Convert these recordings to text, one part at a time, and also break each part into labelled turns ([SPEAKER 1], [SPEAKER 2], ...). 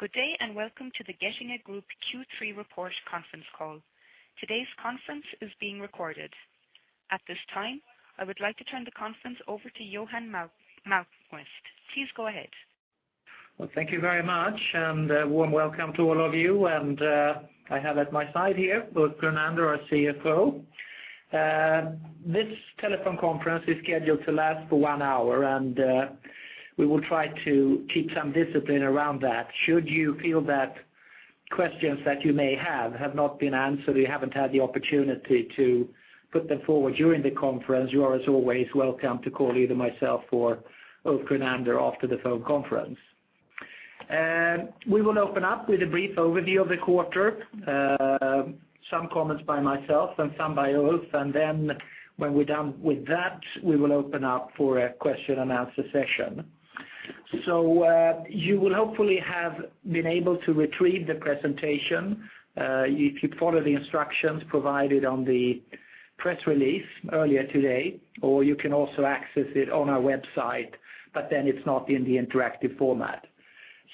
[SPEAKER 1] Good day, and welcome to the Getinge Group Q3 Report conference call. Today's conference is being recorded. At this time, I would like to turn the conference over to Johan Malmquist. Please go ahead.
[SPEAKER 2] Well, thank you very much, and a warm welcome to all of you, and, I have at my side here, both Ulf, our CFO. This telephone conference is scheduled to last for one hour, and, we will try to keep some discipline around that. Should you feel that questions that you may have have not been answered, or you haven't had the opportunity to put them forward during the conference, you are, as always, welcome to call either myself or Ulf Grunander after the phone conference. And we will open up with a brief overview of the quarter, some comments by myself and some by Ulf, and then when we're done with that, we will open up for a question-and-answer session. So, you will hopefully have been able to retrieve the presentation, if you follow the instructions provided on the press release earlier today, or you can also access it on our website, but then it's not in the interactive format.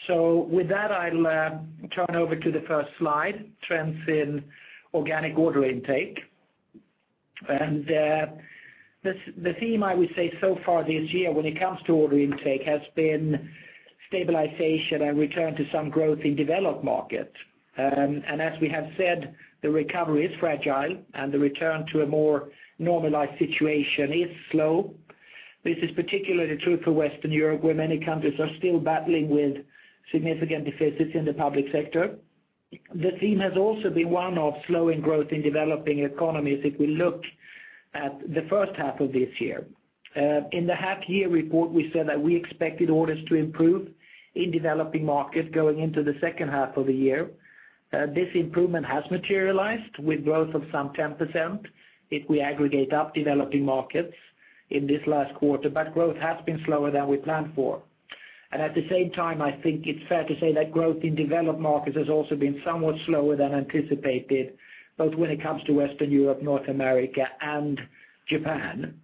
[SPEAKER 2] So with that, I'll turn over to the first slide, Trends in Organic Order Intake. And, the theme, I would say, so far this year, when it comes to order intake, has been stabilization and return to some growth in developed markets. And as we have said, the recovery is fragile, and the return to a more normalized situation is slow. This is particularly true for Western Europe, where many countries are still battling with significant deficits in the public sector. The theme has also been one of slowing growth in developing economies if we look at the first half of this year. In the half-year report, we said that we expected orders to improve in developing markets going into the second half of the year. This improvement has materialized with growth of some 10% if we aggregate up developing markets in this last quarter, but growth has been slower than we planned for. And at the same time, I think it's fair to say that growth in developed markets has also been somewhat slower than anticipated, both when it comes to Western Europe, North America, and Japan.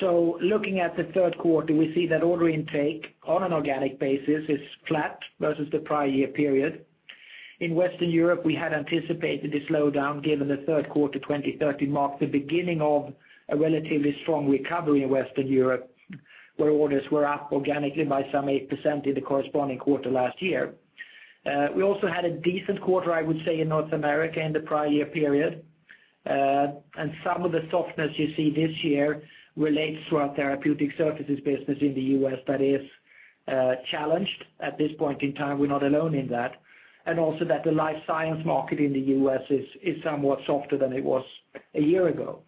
[SPEAKER 2] So looking at the third quarter, we see that order intake on an organic basis is flat versus the prior year period. In Western Europe, we had anticipated a slowdown given the third quarter 2013 marked the beginning of a relatively strong recovery in Western Europe, where orders were up organically by some 8% in the corresponding quarter last year. We also had a decent quarter, I would say, in North America in the prior year period. And some of the softness you see this year relates to our therapeutic services business in the U.S. that is challenged at this point in time. We're not alone in that. Also that the life science market in the U.S. is somewhat softer than it was a year ago.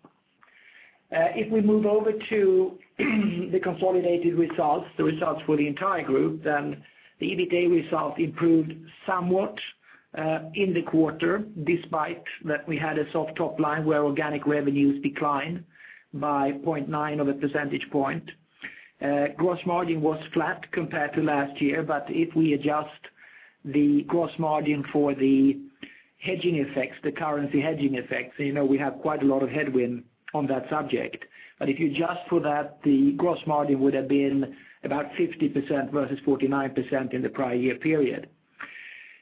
[SPEAKER 2] If we move over to the consolidated results, the results for the entire group, then the EBITA result improved somewhat in the quarter, despite that we had a soft top-line where organic revenues declined by 0.9 of a percentage point. Gross margin was flat compared to last year, but if we adjust the gross margin for the hedging effects, the currency hedging effects, you know, we have quite a lot of headwind on that subject. But if you adjust for that, the gross margin would have been about 50% versus 49% in the prior year period.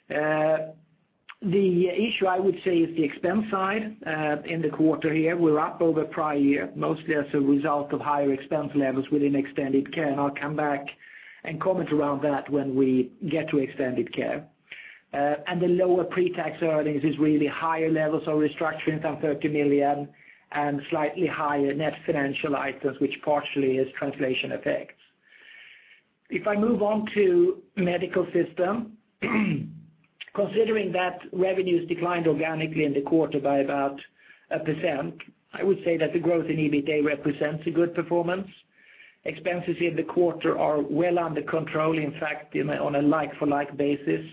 [SPEAKER 2] The issue, I would say, is the expense side in the quarter here. We're up over prior year, mostly as a result of higher expense levels within Extended Care, and I'll come back and comment around that when we get to Extended Care. And the lower pre-tax earnings is really higher levels of restructuring, some 30 million, and slightly higher net financial items, which partially is translation effects. If I move on to Medical Systems, considering that revenues declined organically in the quarter by about 1%, I would say that the growth in EBITA represents a good performance. Expenses in the quarter are well under control. In fact, on a like-for-like basis,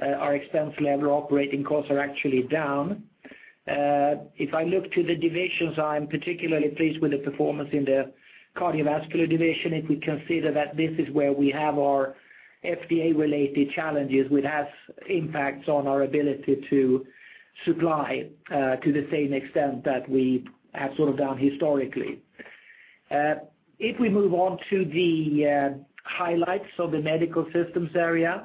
[SPEAKER 2] our expense level operating costs are actually down. If I look to the divisions, I'm particularly pleased with the performance in the Cardiovascular division. If we consider that this is where we have our FDA-related challenges, which has impacts on our ability to supply to the same extent that we have sort of done historically. If we move on to the highlights of the Medical Systems area,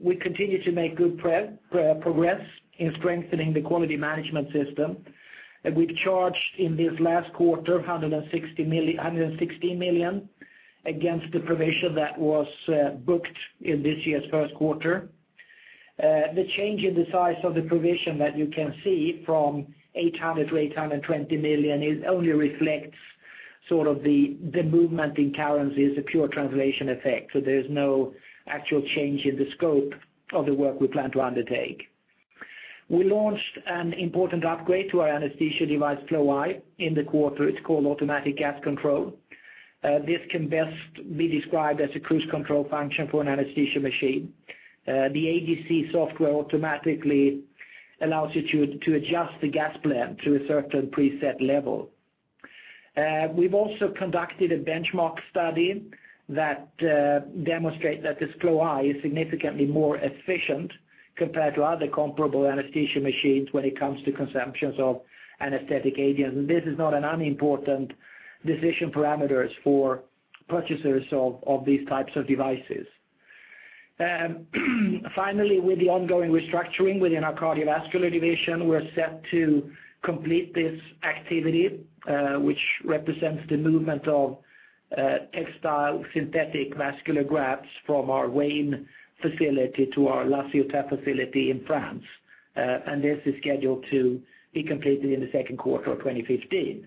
[SPEAKER 2] we continue to make good progress in strengthening the quality management system. We've charged in this last quarter, 160 million—116 million against the provision that was booked in this year's first quarter. The change in the size of the provision that you can see from 800 million to 820 million, it only reflects sort of the movement in currency is a pure translation effect, so there's no actual change in the scope of the work we plan to undertake. We launched an important upgrade to our anesthesia device, Flow-i, in the quarter. It's called Automatic Gas Control. This can best be described as a cruise control function for an anesthesia machine. The AGC software automatically allows you to adjust the gas blend to a certain preset level. We've also conducted a benchmark study that demonstrates that this Flow-i is significantly more efficient compared to other comparable anesthesia machines when it comes to consumptions of anesthetic agents, and this is not an unimportant decision parameters for purchasers of these types of devices. Finally, with the ongoing restructuring within our Cardiovascular division, we're set to complete this activity, which represents the movement of textile synthetic vascular grafts from our Wayne facility to our La Ciotat facility in France. And this is scheduled to be completed in the second quarter of 2015.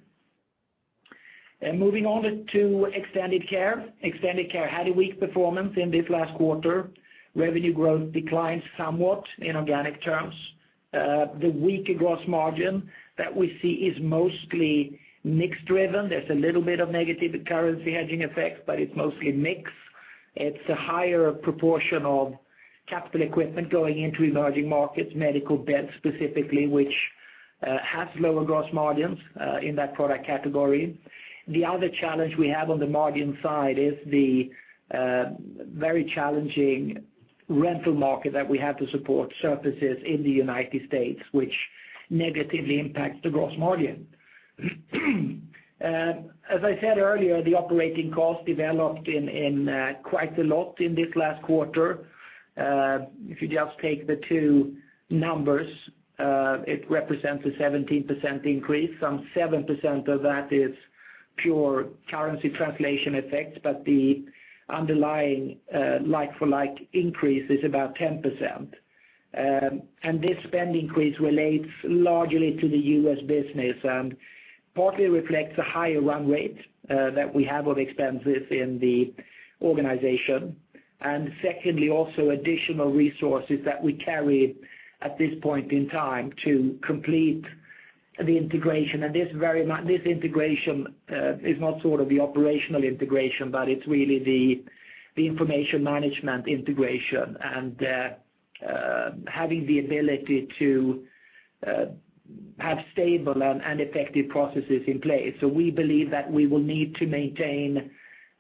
[SPEAKER 2] Moving on to Extended Care. Extended Care had a weak performance in this last quarter. Revenue growth declined somewhat in organic terms. The weaker gross margin that we see is mostly mix driven. There's a little bit of negative currency hedging effects, but it's mostly mix. It's a higher proportion of capital equipment going into emerging markets, medical beds specifically, which has lower gross margins in that product category. The other challenge we have on the margin side is the very challenging rental market that we have to support services in the United States, which negatively impacts the gross margin. And as I said earlier, the operating costs developed quite a lot in this last quarter. If you just take the two numbers, it represents a 17% increase, and 7% of that is pure currency translation effects, but the underlying like-for-like increase is about 10%. This spend increase relates largely to the U.S. business and partly reflects a higher run rate that we have of expenses in the organization. Secondly, also additional resources that we carried at this point in time to complete the integration. This integration is not sort of the operational integration, but it's really the information management integration and having the ability to have stable and effective processes in place. We believe that we will need to maintain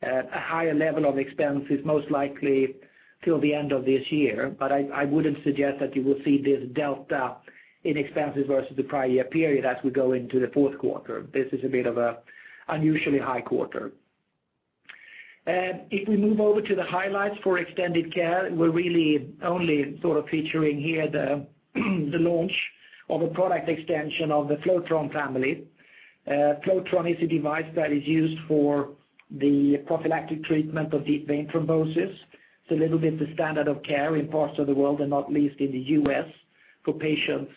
[SPEAKER 2] a higher level of expenses, most likely till the end of this year. I wouldn't suggest that you will see this delta in expenses versus the prior year period as we go into the fourth quarter. This is a bit of an unusually high quarter. If we move over to the highlights for Extended Care, we're really only sort of featuring here the launch of a product extension of the Flowtron family. Flowtron is a device that is used for the prophylactic treatment of deep vein thrombosis. It's a little bit the standard of care in parts of the world, and not least in the U.S., for patients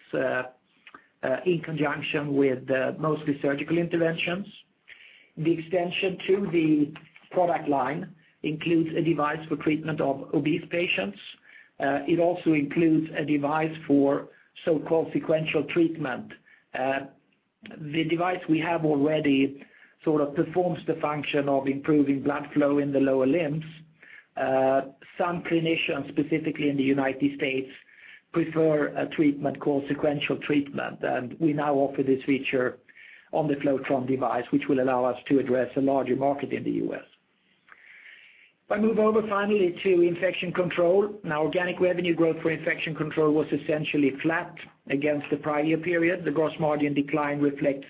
[SPEAKER 2] in conjunction with mostly surgical interventions. The extension to the product line includes a device for treatment of obese patients. It also includes a device for so-called sequential treatment. The device we have already sort of performs the function of improving blood flow in the lower limbs. Some clinicians, specifically in the United States, prefer a treatment called sequential treatment, and we now offer this feature on the Flowtron device, which will allow us to address a larger market in the US. If I move over finally to Infection Control. Now, organic revenue growth for Infection Control was essentially flat against the prior year period. The gross margin decline reflects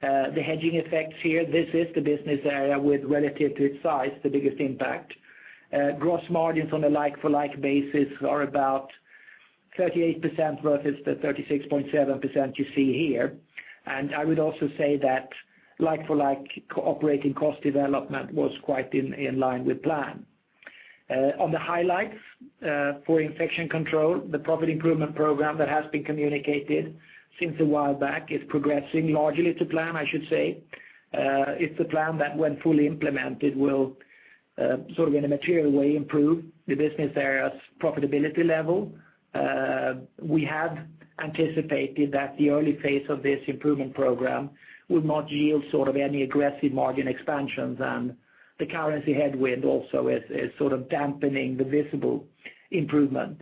[SPEAKER 2] the hedging effects here. This is the business area with, relative to its size, the biggest impact. Gross margins on a like-for-like basis are about 38% versus the 36.7% you see here. And I would also say that like-for-like, operating cost development was quite in line with plan. On the highlights, for Infection Control, the profit improvement program that has been communicated since a while back is progressing largely to plan, I should say. It's a plan that, when fully implemented, will sort of in a material way improve the business area's profitability level. We had anticipated that the early phase of this improvement program would not yield sort of any aggressive margin expansions, and the currency headwind also is sort of dampening the visible improvement.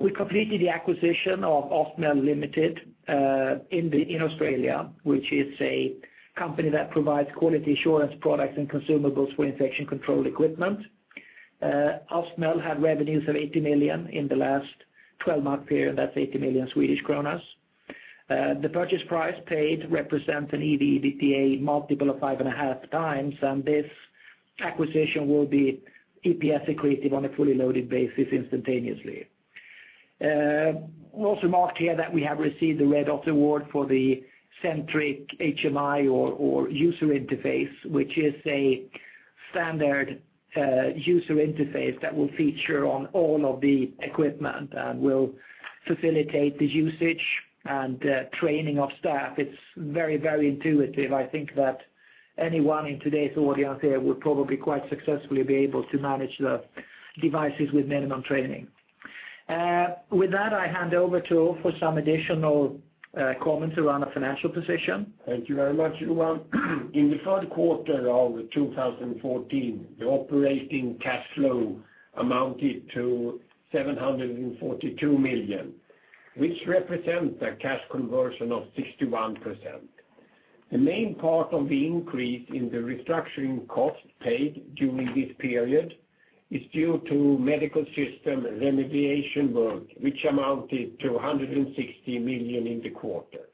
[SPEAKER 2] We completed the acquisition of Austmel Limited in Australia, which is a company that provides quality assurance products and consumables for Infection Control equipment. Austmel had revenues of 80 million in the last twelve-month period, that's 80 million Swedish kronor. The purchase price paid represents an EBITA multiple of 5.5x, and this acquisition will be EPS accretive on a fully loaded basis instantaneously. We also marked here that we have received the Red Dot Award for the Centric HMI or user interface, which is a standard user interface that will feature on all of the equipment and will facilitate the usage and training of staff. It's very, very intuitive. I think that anyone in today's audience here will probably quite successfully be able to manage the devices with minimum training. With that, I hand over to Ulf for some additional comments around our financial position.
[SPEAKER 3] Thank you very much, Johan. In the third quarter of 2014, the operating cash flow amounted to 742 million, which represent the cash conversion of 61%. ...The main part of the increase in the restructuring cost paid during this period is due to Medical Systems remediation work, which amounted to 160 million in the quarter.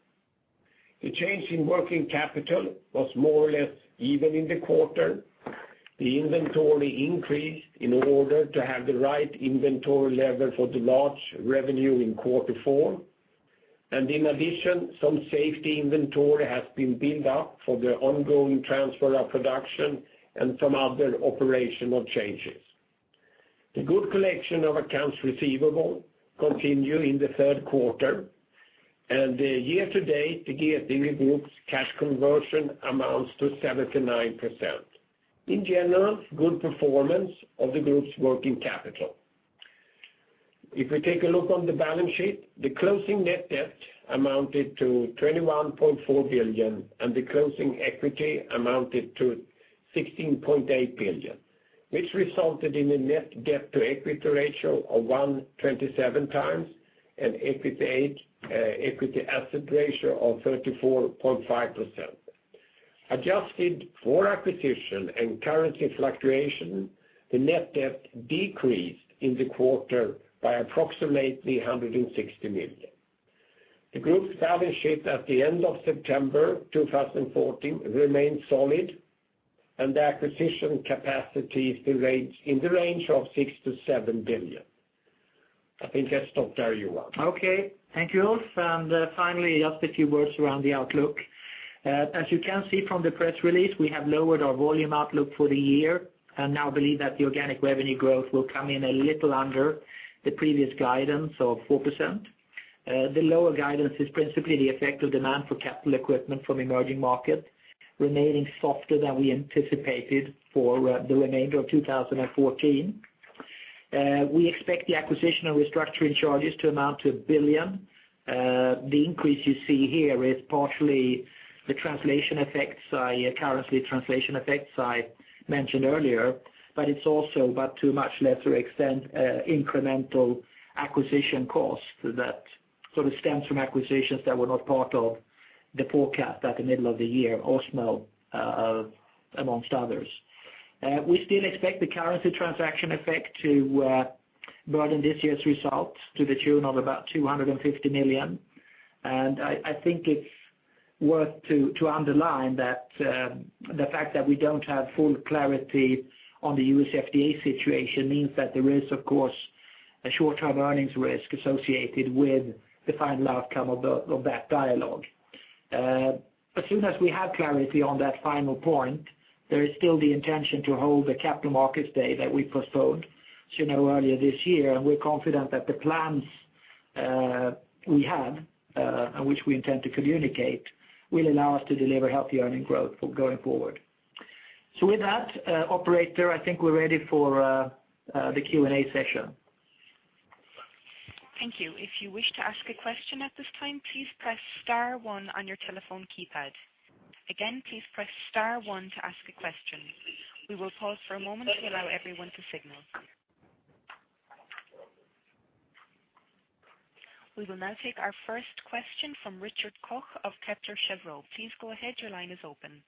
[SPEAKER 3] The change in working capital was more or less even in the quarter. The inventory increased in order to have the right inventory level for the large revenue in quarter four, and in addition, some safety inventory has been built up for the ongoing transfer of production and some other operational changes. The good collection of accounts receivable continue in the third quarter, and the year-to-date, the Getinge Group's cash conversion amounts to 79%. In general, good performance of the group's working capital. If we take a look on the balance sheet, the closing net debt amounted to 21.4 billion, and the closing equity amounted to 16.8 billion, which resulted in a net debt to equity ratio of 1.27x, and equity, equity asset ratio of 34.5%. Adjusted for acquisition and currency fluctuation, the net debt decreased in the quarter by approximately 160 million. The group's balance sheet at the end of September 2014 remained solid, and the acquisition capacity is the range, in the range of 6 billion-7 billion. I think I stop there, Johan. Okay, thank you, Ulf. And, finally, just a few words around the outlook. As you can see from the press release, we have lowered our volume outlook for the year and now believe that the organic revenue growth will come in a little under the previous guidance of 4%. The lower guidance is principally the effect of demand for capital equipment from emerging markets, remaining softer than we anticipated for the remainder of 2014. We expect the acquisition and restructuring charges to amount to 1 billion. The increase you see here is partially the translation effects, i.e., currency translation effects I mentioned earlier, but it's also, but to a much lesser extent, incremental acquisition costs that sort of stems from acquisitions that were not part of the forecast at the middle of the year, Austmel, amongst others. We still expect the currency transaction effect to burden this year's results to the tune of about 250 million. And I think it's worth to underline that the fact that we don't have full clarity on the U.S. FDA situation means that there is, of course, a short-term earnings risk associated with the final outcome of the of that dialogue. As soon as we have clarity on that final point, there is still the intention to hold the Capital Markets Day that we postponed, as you know, earlier this year, and we're confident that the plans we had and which we intend to communicate will allow us to deliver healthy earnings growth going forward. So with that, operator, I think we're ready for the Q&A session.
[SPEAKER 1] Thank you. If you wish to ask a question at this time, please press star one on your telephone keypad. Again, please press star one to ask a question. We will pause for a moment to allow everyone to signal. We will now take our first question from Rickard Koch of Kepler Cheuvreux. Please go ahead, your line is open.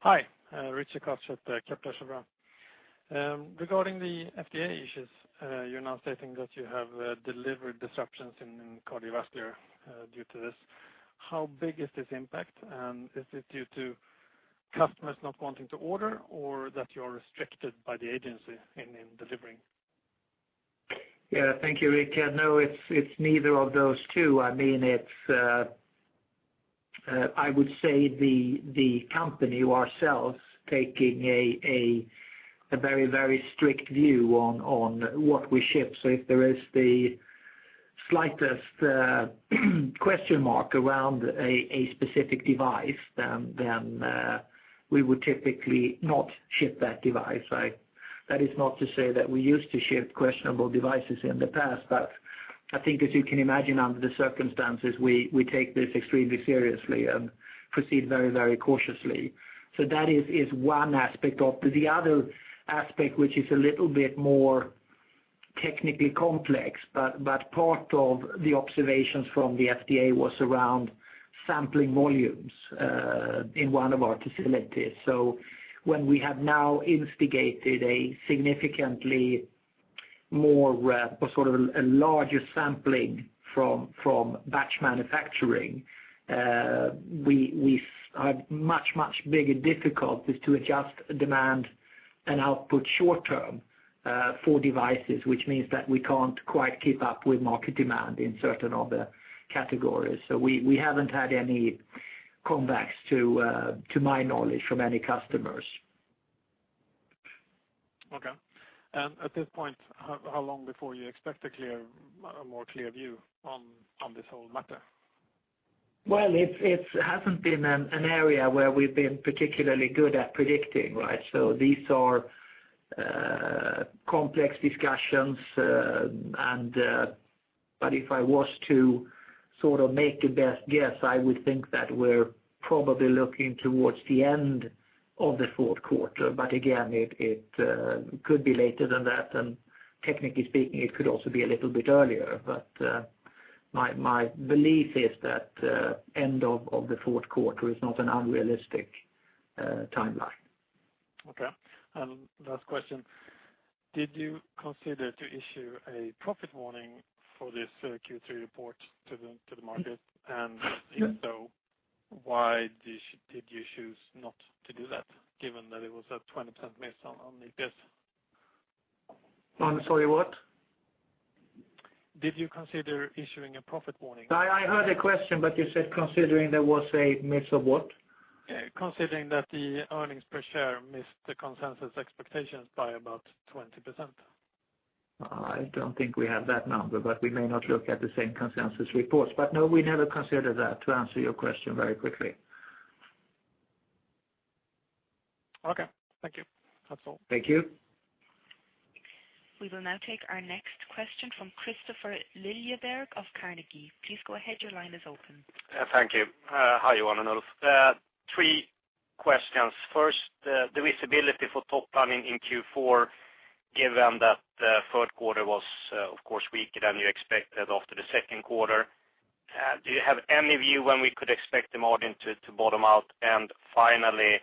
[SPEAKER 4] Hi, Rickard Koch at Kepler Cheuvreux. Regarding the FDA issues, you're now stating that you have delivered disruptions in Cardiovascular due to this. How big is this impact? And is it due to customers not wanting to order or that you're restricted by the agency in delivering?
[SPEAKER 2] Yeah, thank you, Rickard. No, it's neither of those two. I mean, it's the company ourselves taking a very, very strict view on what we ship. So if there is the slightest question mark around a specific device, then we would typically not ship that device, right? That is not to say that we used to ship questionable devices in the past, but I think as you can imagine, under the circumstances, we take this extremely seriously and proceed very, very cautiously. So that is one aspect of it. The other aspect, which is a little bit more technically complex, but part of the observations from the FDA was around sampling volumes in one of our facilities. So when we have now instigated a significantly more, or sort of a larger sampling from, from batch manufacturing, we, we have much, much bigger difficulties to adjust demand and output short-term, for devices, which means that we can't quite keep up with market demand in certain other categories. So we, we haven't had any comebacks to, to my knowledge, from any customers.
[SPEAKER 4] Okay. And at this point, how long before you expect a more clear view on this whole matter?
[SPEAKER 2] Well, it hasn't been an area where we've been particularly good at predicting, right? So these are complex discussions, and but if I was to sort of make a best guess, I would think that we're probably looking towards the end of the fourth quarter, but again, it could be later than that, and technically speaking, it could also be a little bit earlier. But my belief is that end of the fourth quarter is not an unrealistic timeline.
[SPEAKER 4] Okay. And last question: Did you consider to issue a profit warning for this Q3 report to the market? And if so, why did you choose not to do that, given that it was a 20% miss on EPS?
[SPEAKER 2] I'm sorry, what?
[SPEAKER 4] Did you consider issuing a profit warning?
[SPEAKER 2] I heard the question, but you said, considering there was a miss of what?
[SPEAKER 4] Yeah, considering that the earnings per share missed the consensus expectations by about 20%.
[SPEAKER 2] I don't think we have that number, but we may not look at the same consensus reports. No, we never considered that, to answer your question very quickly.
[SPEAKER 4] Okay. Thank you. That's all.
[SPEAKER 2] Thank you.
[SPEAKER 1] We will now take our next question from Kristofer Liljeberg of Carnegie. Please go ahead. Your line is open.
[SPEAKER 5] Yeah, thank you. Hi, Johan and Ulf. Three questions. First, the visibility for top planning in Q4, given that the third quarter was, of course, weaker than you expected after the second quarter, do you have any view when we could expect the margin to bottom out? And finally,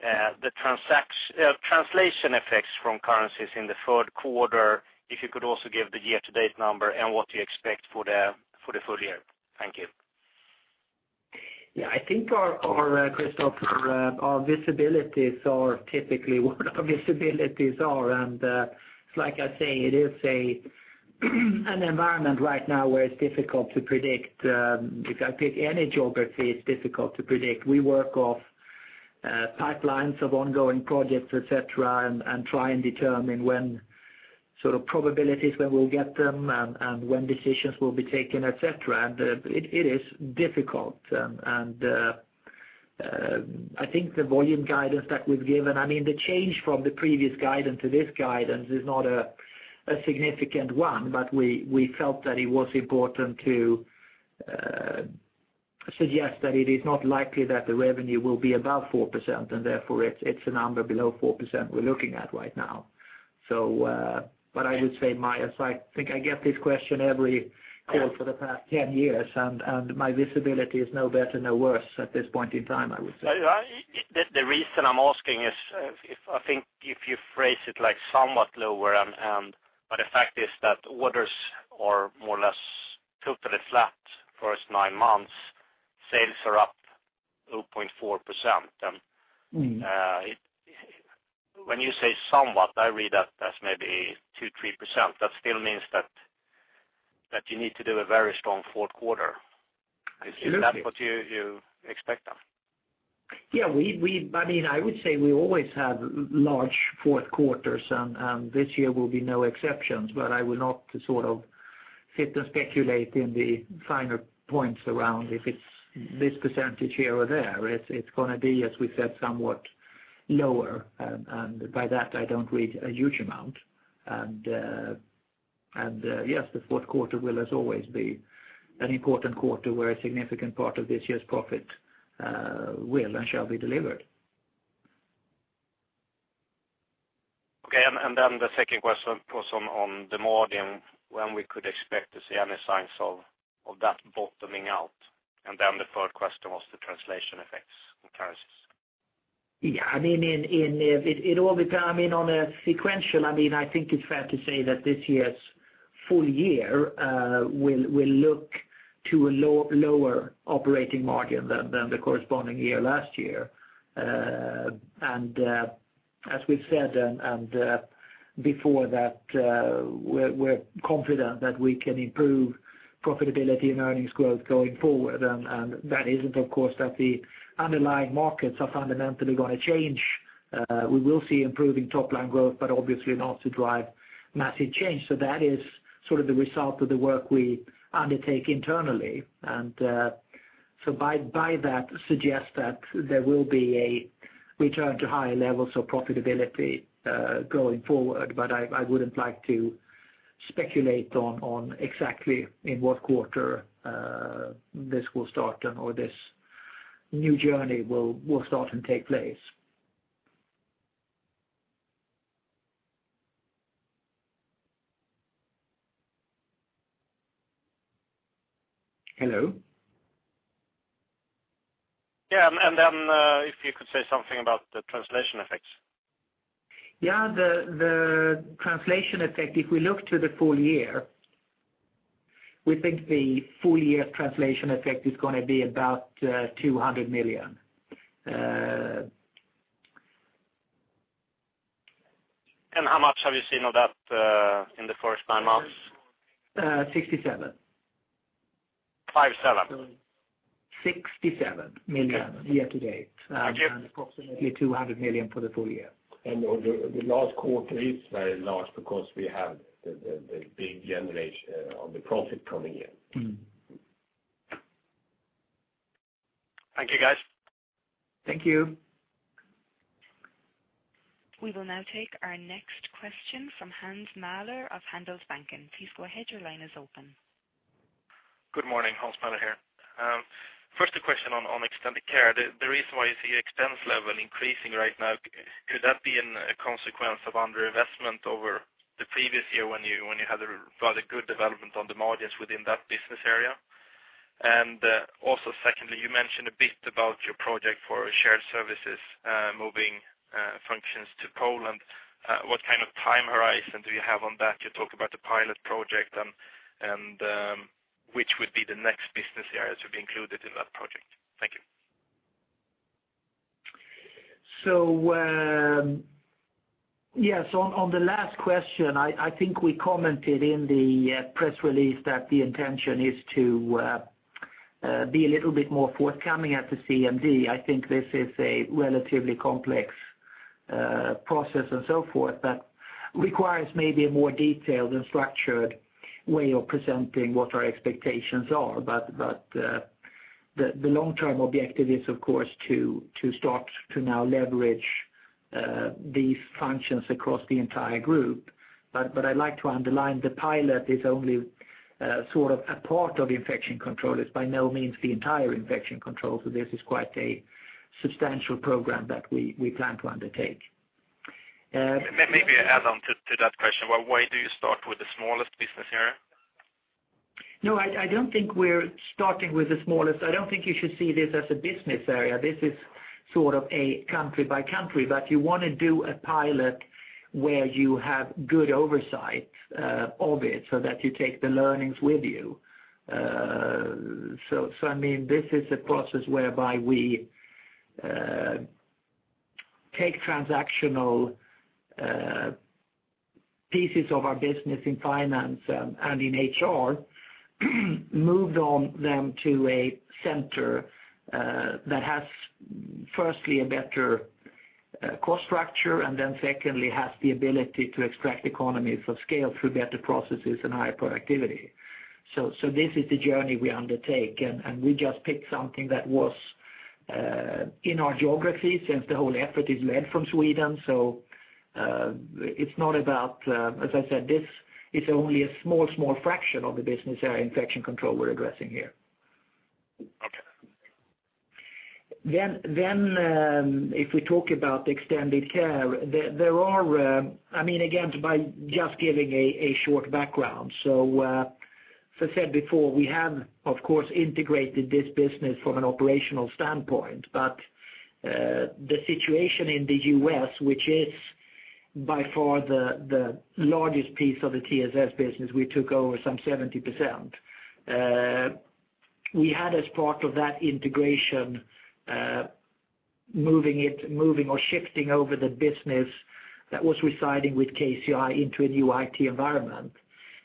[SPEAKER 5] the translation effects from currencies in the third quarter, if you could also give the year-to-date number and what you expect for the full-year. Thank you.
[SPEAKER 2] Yeah, I think our, our, Christopher, our visibilities are typically what our visibilities are, and, it's like I say, it is a, an environment right now where it's difficult to predict. If I pick any geography, it's difficult to predict. We work off pipelines of ongoing projects, et cetera, and try and determine when, sort of, probabilities when we'll get them and when decisions will be taken, et cetera. And, it is difficult. And, I think the volume guidance that we've given, I mean, the change from the previous guidance to this guidance is not a significant one, but we felt that it was important to suggest that it is not likely that the revenue will be above 4%, and therefore, it's a number below 4% we're looking at right now. So, but I would say my, as I think I get this question every call for the past 10 years, and, and my visibility is no better, no worse at this point in time, I would say.
[SPEAKER 5] The reason I'm asking is, I think if you phrase it like somewhat lower and but the fact is that orders are more or less totally flat first nine months. Sales are up 0.4%.
[SPEAKER 2] Mm.
[SPEAKER 5] When you say somewhat, I read that as maybe 2%-3%. That still means that you need to do a very strong fourth quarter.
[SPEAKER 2] Absolutely.
[SPEAKER 5] Is that what you expect, then?
[SPEAKER 2] Yeah, I mean, I would say we always have large fourth quarters, and this year will be no exceptions, but I will not sort of sit and speculate in the finer points around if it's this percentage here or there. It's gonna be, as we said, somewhat lower, and by that, I don't read a huge amount. And yes, the fourth quarter will, as always, be an important quarter where a significant part of this year's profit will and shall be delivered.
[SPEAKER 5] Okay, and then the second question was on the margin, when we could expect to see any signs of that bottoming out. And then the third question was the translation effects on currencies.
[SPEAKER 2] Yeah, I mean, it all depends—I mean, on a sequential, I mean, I think it's fair to say that this year's full-year will look to a lower operating margin than the corresponding year last year. And, as we've said before that, we're confident that we can improve profitability and earnings growth going forward, and that isn't, of course, that the underlying markets are fundamentally gonna change. We will see improving top-line growth, but obviously not to drive massive change. So that is sort of the result of the work we undertake internally. So by that suggest that there will be a return to higher levels of profitability, going forward, but I wouldn't like to speculate on exactly in what quarter this will start, or this new journey will start and take place. Hello?
[SPEAKER 5] Yeah, and then, if you could say something about the translation effects.
[SPEAKER 2] Yeah, the translation effect, if we look to the full-year, we think the full-year translation effect is gonna be about 200 million.
[SPEAKER 5] How much have you seen of that, in the first nine months?
[SPEAKER 2] Uh, sixty-seven.
[SPEAKER 5] Five, seven?
[SPEAKER 2] Sixty-seven million-
[SPEAKER 5] Okay.
[SPEAKER 2] - year-to-date.
[SPEAKER 5] I get-
[SPEAKER 2] Approximately 200 million for the full-year.
[SPEAKER 3] The last quarter is very large because we have the big generation on the profit coming in.
[SPEAKER 2] Mm.
[SPEAKER 5] Thank you, guys.
[SPEAKER 2] Thank you.
[SPEAKER 1] We will now take our next question from Hans Mähler of Handelsbanken. Please go ahead, your line is open.
[SPEAKER 6] Good morning, Hans Mähler here. First, a question on Extended Care. The reason why you see expense level increasing right now, could that be a consequence of underinvestment over the previous year when you had a rather good development on the margins within that business area? And, also secondly, you mentioned a bit about your project for shared services, moving functions to Poland. What kind of time horizon do you have on that? You talked about the pilot project and which would be the next business areas to be included in that project? Thank you.
[SPEAKER 2] So, yes, on the last question, I think we commented in the press release that the intention is to be a little bit more forthcoming at the CMD. I think this is a relatively complex process and so forth, that requires maybe a more detailed and structured way of presenting what our expectations are. But the long-term objective is, of course, to start to now leverage these functions across the entire group. But I'd like to underline, the pilot is only sort of a part of Infection Control. It's by no means the entire Infection Control, so this is quite a substantial program that we plan to undertake.
[SPEAKER 6] Maybe add on to that question. Well, why do you start with the smallest business area?
[SPEAKER 2] No, I don't think we're starting with the smallest. I don't think you should see this as a business area. This is sort of a country by country, but you want to do a pilot where you have good oversight of it, so that you take the learnings with you. So I mean, this is a process whereby we take transactional pieces of our business in finance and in HR, moved on them to a center that has, firstly, a better cost structure, and then secondly, has the ability to extract economies of scale through better processes and higher productivity. So this is the journey we undertake, and we just picked something that was in our geography since the whole effort is led from Sweden. So it's not about... As I said, this is only a small, small fraction of the business area Infection Control we're addressing here.
[SPEAKER 6] Okay.
[SPEAKER 2] Then, if we talk about Extended Care, there are, I mean, again, by just giving a short background. So, as I said before, we have, of course, integrated this business from an operational standpoint, but the situation in the U.S., which is by far the largest piece of the TSS business, we took over some 70%. We had, as part of that integration, moving or shifting over the business that was residing with KCI into a new IT environment.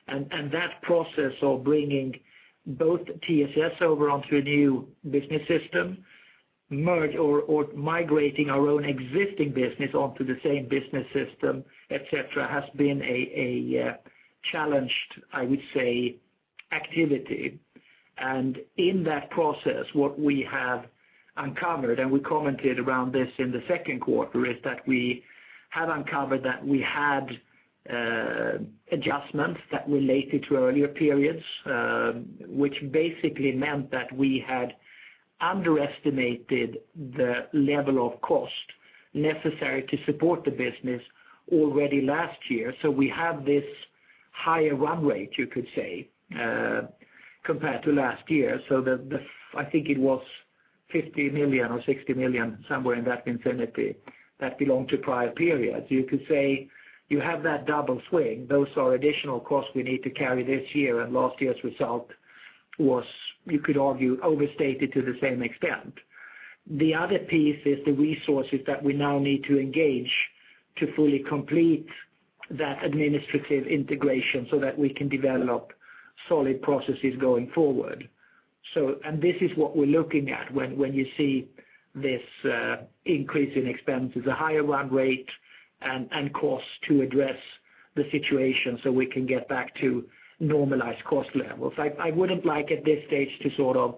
[SPEAKER 2] And that process of bringing both TSS over onto a new business system, merging or migrating our own existing business onto the same business system, et cetera, has been a challenging, I would say, activity. In that process, what we have uncovered, and we commented around this in the second quarter, is that we have uncovered that we had adjustments that related to earlier periods, which basically meant that we had underestimated the level of cost necessary to support the business already last year. We have this higher run rate, you could say, compared to last year. The, I think it was 50 million or 60 million, somewhere in that vicinity, that belonged to prior periods. You could say you have that double swing. Those are additional costs we need to carry this year, and last year's result was, you could argue, overstated to the same extent. The other piece is the resources that we now need to engage to fully complete that administrative integration so that we can develop solid processes going forward. This is what we're looking at when you see this increase in expenses, a higher run rate and cost to address the situation so we can get back to normalized cost levels. I wouldn't like, at this stage, to sort of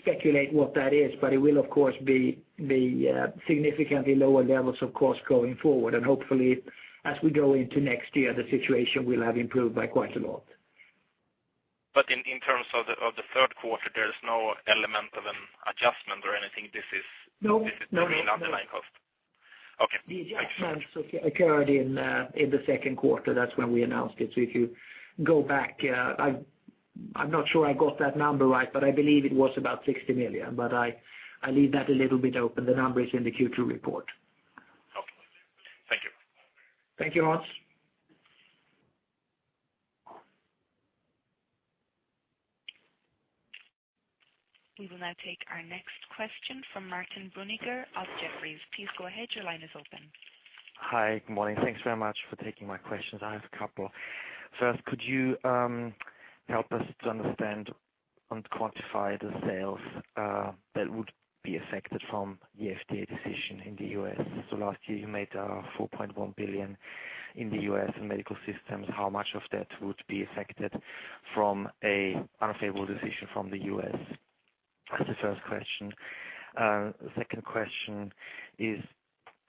[SPEAKER 2] speculate what that is, but it will, of course, be the significantly lower levels of cost going forward. Hopefully, as we go into next year, the situation will have improved by quite a lot.
[SPEAKER 6] But in terms of the third quarter, there is no element of an adjustment or anything? This is-
[SPEAKER 2] No. No, no.
[SPEAKER 6] This is the underlying cost. Okay.
[SPEAKER 2] The adjustments occurred in the second quarter. That's when we announced it. So if you go back, I'm not sure I got that number right, but I believe it was about 60 million, but I leave that a little bit open. The number is in the Q2 report.
[SPEAKER 6] Okay. Thank you.
[SPEAKER 2] Thank you, Hans.
[SPEAKER 1] We will now take our next question from Martin Brunninger of Jefferies. Please go ahead, your line is open.
[SPEAKER 7] Hi. Good morning. Thanks very much for taking my questions. I have a couple. First, could you help us to understand and quantify the sales that would be affected from the FDA decision in the U.S.? So last year, you made $4.1 billion in the U.S. in Medical Systems. How much of that would be affected from an unfavorable decision from the U.S.? That's the first question. The second question is,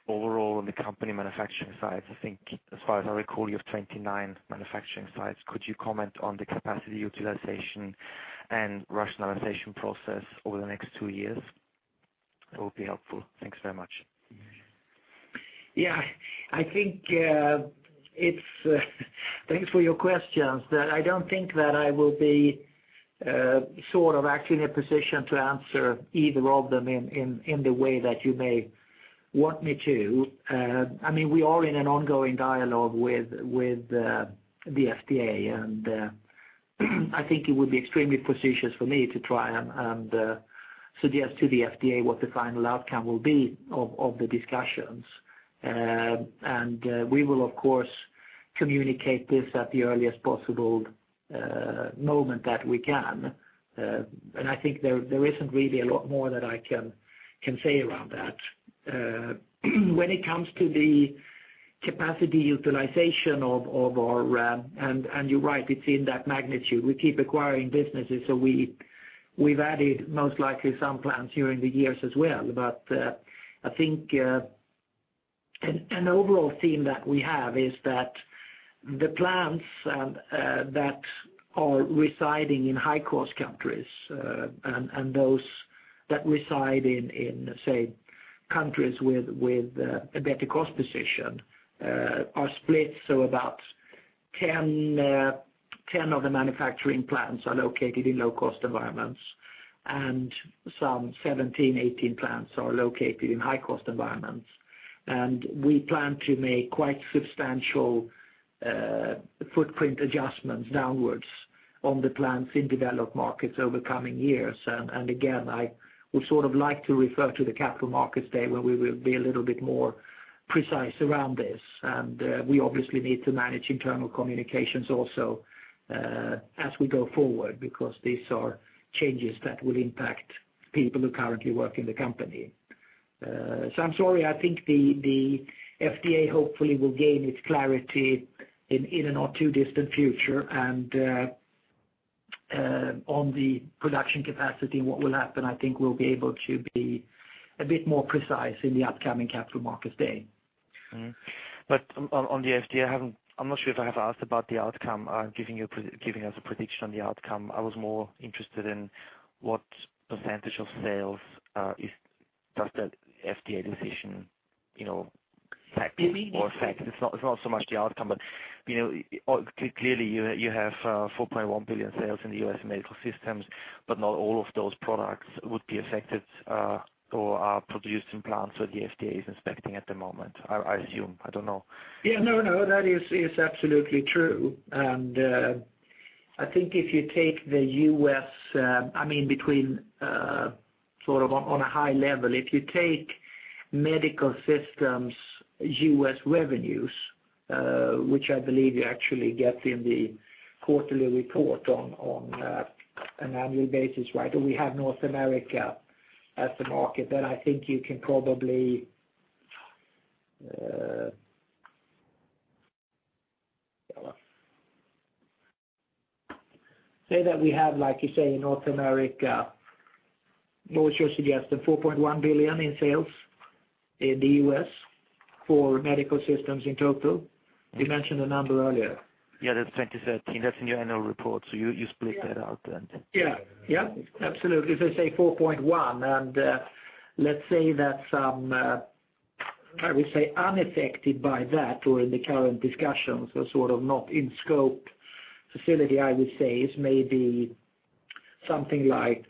[SPEAKER 7] overall, on the company manufacturing side, I think as far as I recall, you have 29 manufacturing sites. Could you comment on the capacity utilization and rationalization process over the next two years? That would be helpful. Thanks very much.
[SPEAKER 2] Yeah, I think it's thanks for your questions. That I don't think that I will be, sort of, actually in a position to answer either of them in the way that you may want me to. I mean, we are in an ongoing dialogue with the FDA, and I think it would be extremely presumptuous for me to try and suggest to the FDA what the final outcome will be of the discussions. And we will, of course, communicate this at the earliest possible moment that we can. And I think there isn't really a lot more that I can say around that. When it comes to the capacity utilization of our... And you're right, it's in that magnitude. We keep acquiring businesses, so we've added most likely some plants during the years as well. But, I think, an overall theme that we have is that the plants that are residing in high-cost countries, and those that reside in, say, countries with a better cost position, are split. So about 10 of the manufacturing plants are located in low-cost environments, and some 17, 18 plants are located in high-cost environments. And we plan to make quite substantial footprint adjustments downwards on the plants in developed markets over coming years. And again, I would sort of like to refer to the Capital Markets Day, where we will be a little bit more precise around this. We obviously need to manage internal communications also, as we go forward, because these are changes that will impact people who currently work in the company. So I'm sorry, I think the, the FDA hopefully will gain its clarity in, in a not too distant future. On the production capacity and what will happen, I think we'll be able to be a bit more precise in the upcoming Capital Markets Day.
[SPEAKER 7] Mm-hmm. But on the FDA, I haven't—I'm not sure if I have asked about the outcome, giving us a prediction on the outcome. I was more interested in what percentage of sales does that FDA decision, you know, impact-
[SPEAKER 2] You mean-
[SPEAKER 7] -or affect? It's not, it's not so much the outcome, but, you know, clearly, you, you have $4.1 billion sales in the U.S. Medical Systems, but not all of those products would be affected, or are produced in plants that the FDA is inspecting at the moment, I, I assume. I don't know.
[SPEAKER 2] Yeah. No, no, that is absolutely true. And, I think if you take the U.S., I mean, sort of on a high level, if you take Medical Systems' U.S. revenues, which I believe you actually get in the quarterly report on an annual basis, right? Where we have North America as a market, then I think you can probably say that we have, like you say, in North America, what would you suggest, $4.1 billion in sales in the U.S. for Medical Systems in total? You mentioned a number earlier.
[SPEAKER 7] Yeah, that's 2013. That's in your annual report, so you, you split that out then.
[SPEAKER 2] Yeah. Yeah, absolutely. If I say 4.1, and, let's say that some, I would say unaffected by that or in the current discussions or sort of not in scope facility, I would say is maybe something like,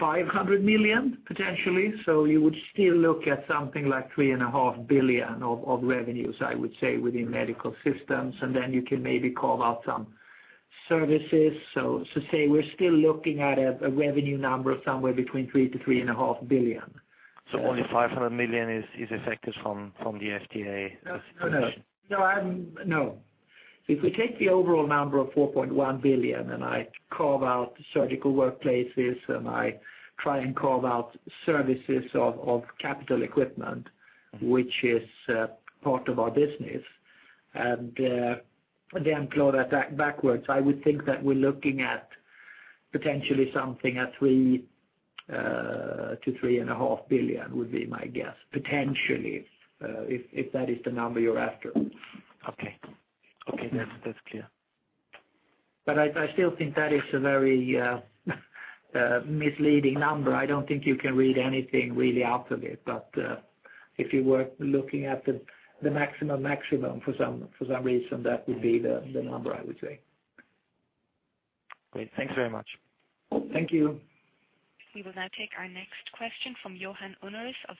[SPEAKER 2] 500 million, potentially. So you would still look at something like 3.5 billion of, of revenues, I would say, within Medical Systems, and then you can maybe carve out some services. So, so say we're still looking at a, a revenue number of somewhere between 3 billion-3.5 billion.
[SPEAKER 7] So only 500 million is affected from the FDA?
[SPEAKER 2] No, no, no. No. If we take the overall number of 4.1 billion, and I carve out surgical workplaces, and I try and carve out services of capital equipment, which is part of our business, and then claw that backwards, I would think that we're looking at potentially something at 3 billion-3.5 billion, would be my guess, potentially, if that is the number you're after.
[SPEAKER 7] Okay. Okay, that's, that's clear.
[SPEAKER 2] But I still think that is a very misleading number. I don't think you can read anything really out of it. But, if you were looking at the maximum for some reason, that would be the number I would say.
[SPEAKER 7] Great. Thanks very much.
[SPEAKER 2] Thank you.
[SPEAKER 1] We will now take our next question from Johan Unnerus of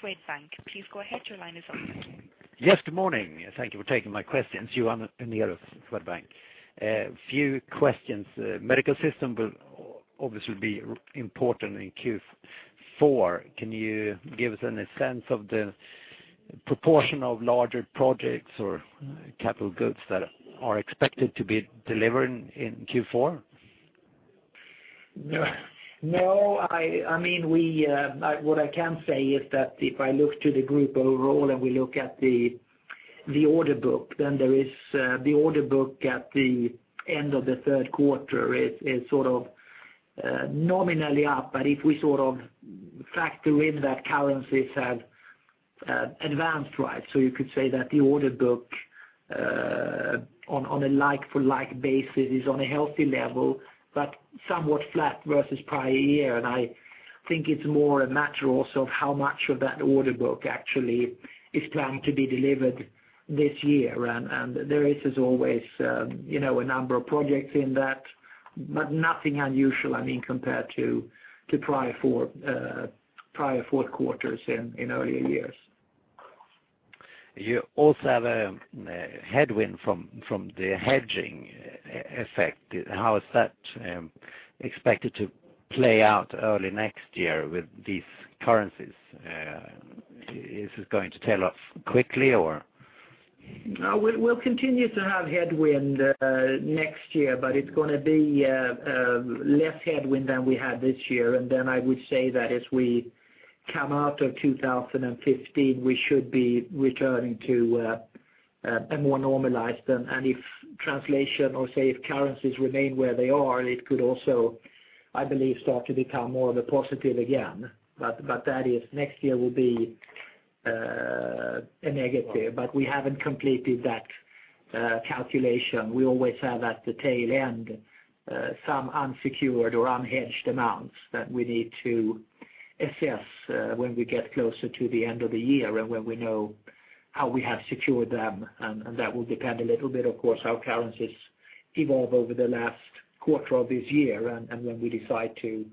[SPEAKER 1] Swedbank. Please go ahead, your line is open.
[SPEAKER 8] Yes, good morning. Thank you for taking my questions, Johan Unnerus, Swedbank. A few questions. Medical Systems will obviously be important in Q4. Can you give us a sense of the proportion of larger projects or capital goods that are expected to be delivered in Q4?...
[SPEAKER 2] No, I mean, what I can say is that if I look to the group overall, and we look at the order book, then there is the order book at the end of the third quarter is sort of nominally up. But if we sort of factor in that currencies have advanced right, so you could say that the order book on a like-for-like basis is on a healthy level, but somewhat flat versus prior year. And I think it's more a matter also of how much of that order book actually is planned to be delivered this year. And there is, as always, you know, a number of projects in that, but nothing unusual, I mean, compared to prior fourth quarters in earlier years.
[SPEAKER 8] You also have a headwind from the hedging effect. How is that expected to play out early next year with these currencies? Is it going to tail off quickly or?
[SPEAKER 2] No, we'll continue to have headwind next year, but it's gonna be less headwind than we had this year. And then I would say that as we come out of 2015, we should be returning to a more normalized. And if translation or say, if currencies remain where they are, it could also, I believe, start to become more of a positive again. But that is next year will be a negative, but we haven't completed that calculation. We always have, at the tail end, some unsecured or unhedged amounts that we need to assess, when we get closer to the end of the year and when we know how we have secured them, and, and that will depend a little bit, of course, how currencies evolve over the last quarter of this year and, and when we decide to,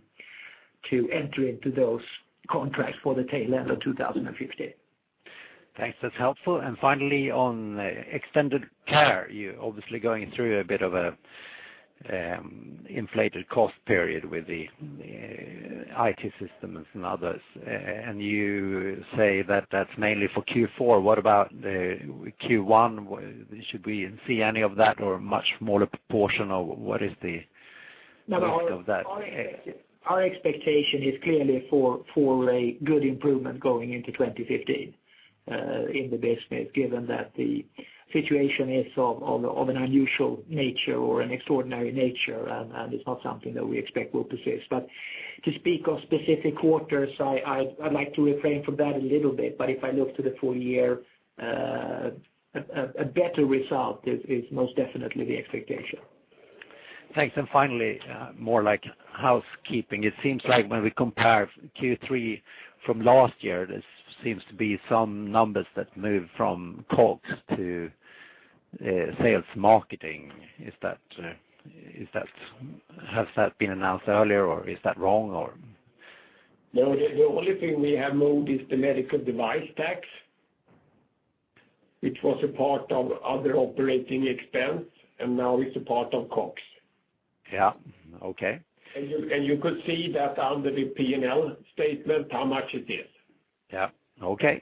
[SPEAKER 2] to enter into those contracts for the tail end of 2015.
[SPEAKER 8] Thanks. That's helpful. And finally, on Extended Care, you're obviously going through a bit of a inflated cost period with the IT systems and others. And you say that that's mainly for Q4. What about Q1? Should we see any of that or much smaller proportion, or what is the effect of that?
[SPEAKER 2] Our expectation is clearly for a good improvement going into 2015 in the business, given that the situation is of an unusual nature or an extraordinary nature, and it's not something that we expect will persist. But to speak of specific quarters, I'd like to refrain from that a little bit, but if I look to the full-year, a better result is most definitely the expectation.
[SPEAKER 8] Thanks. And finally, more like housekeeping. It seems like when we compare Q3 from last year, there seems to be some numbers that moved from COGS to sales marketing. Is that, has that been announced earlier, or is that wrong, or?
[SPEAKER 3] No, the only thing we have moved is the medical device tax, which was a part of other operating expense, and now it's a part of COGS.
[SPEAKER 8] Yeah. Okay.
[SPEAKER 3] You could see that under the P&L statement, how much it is.
[SPEAKER 8] Yeah. Okay.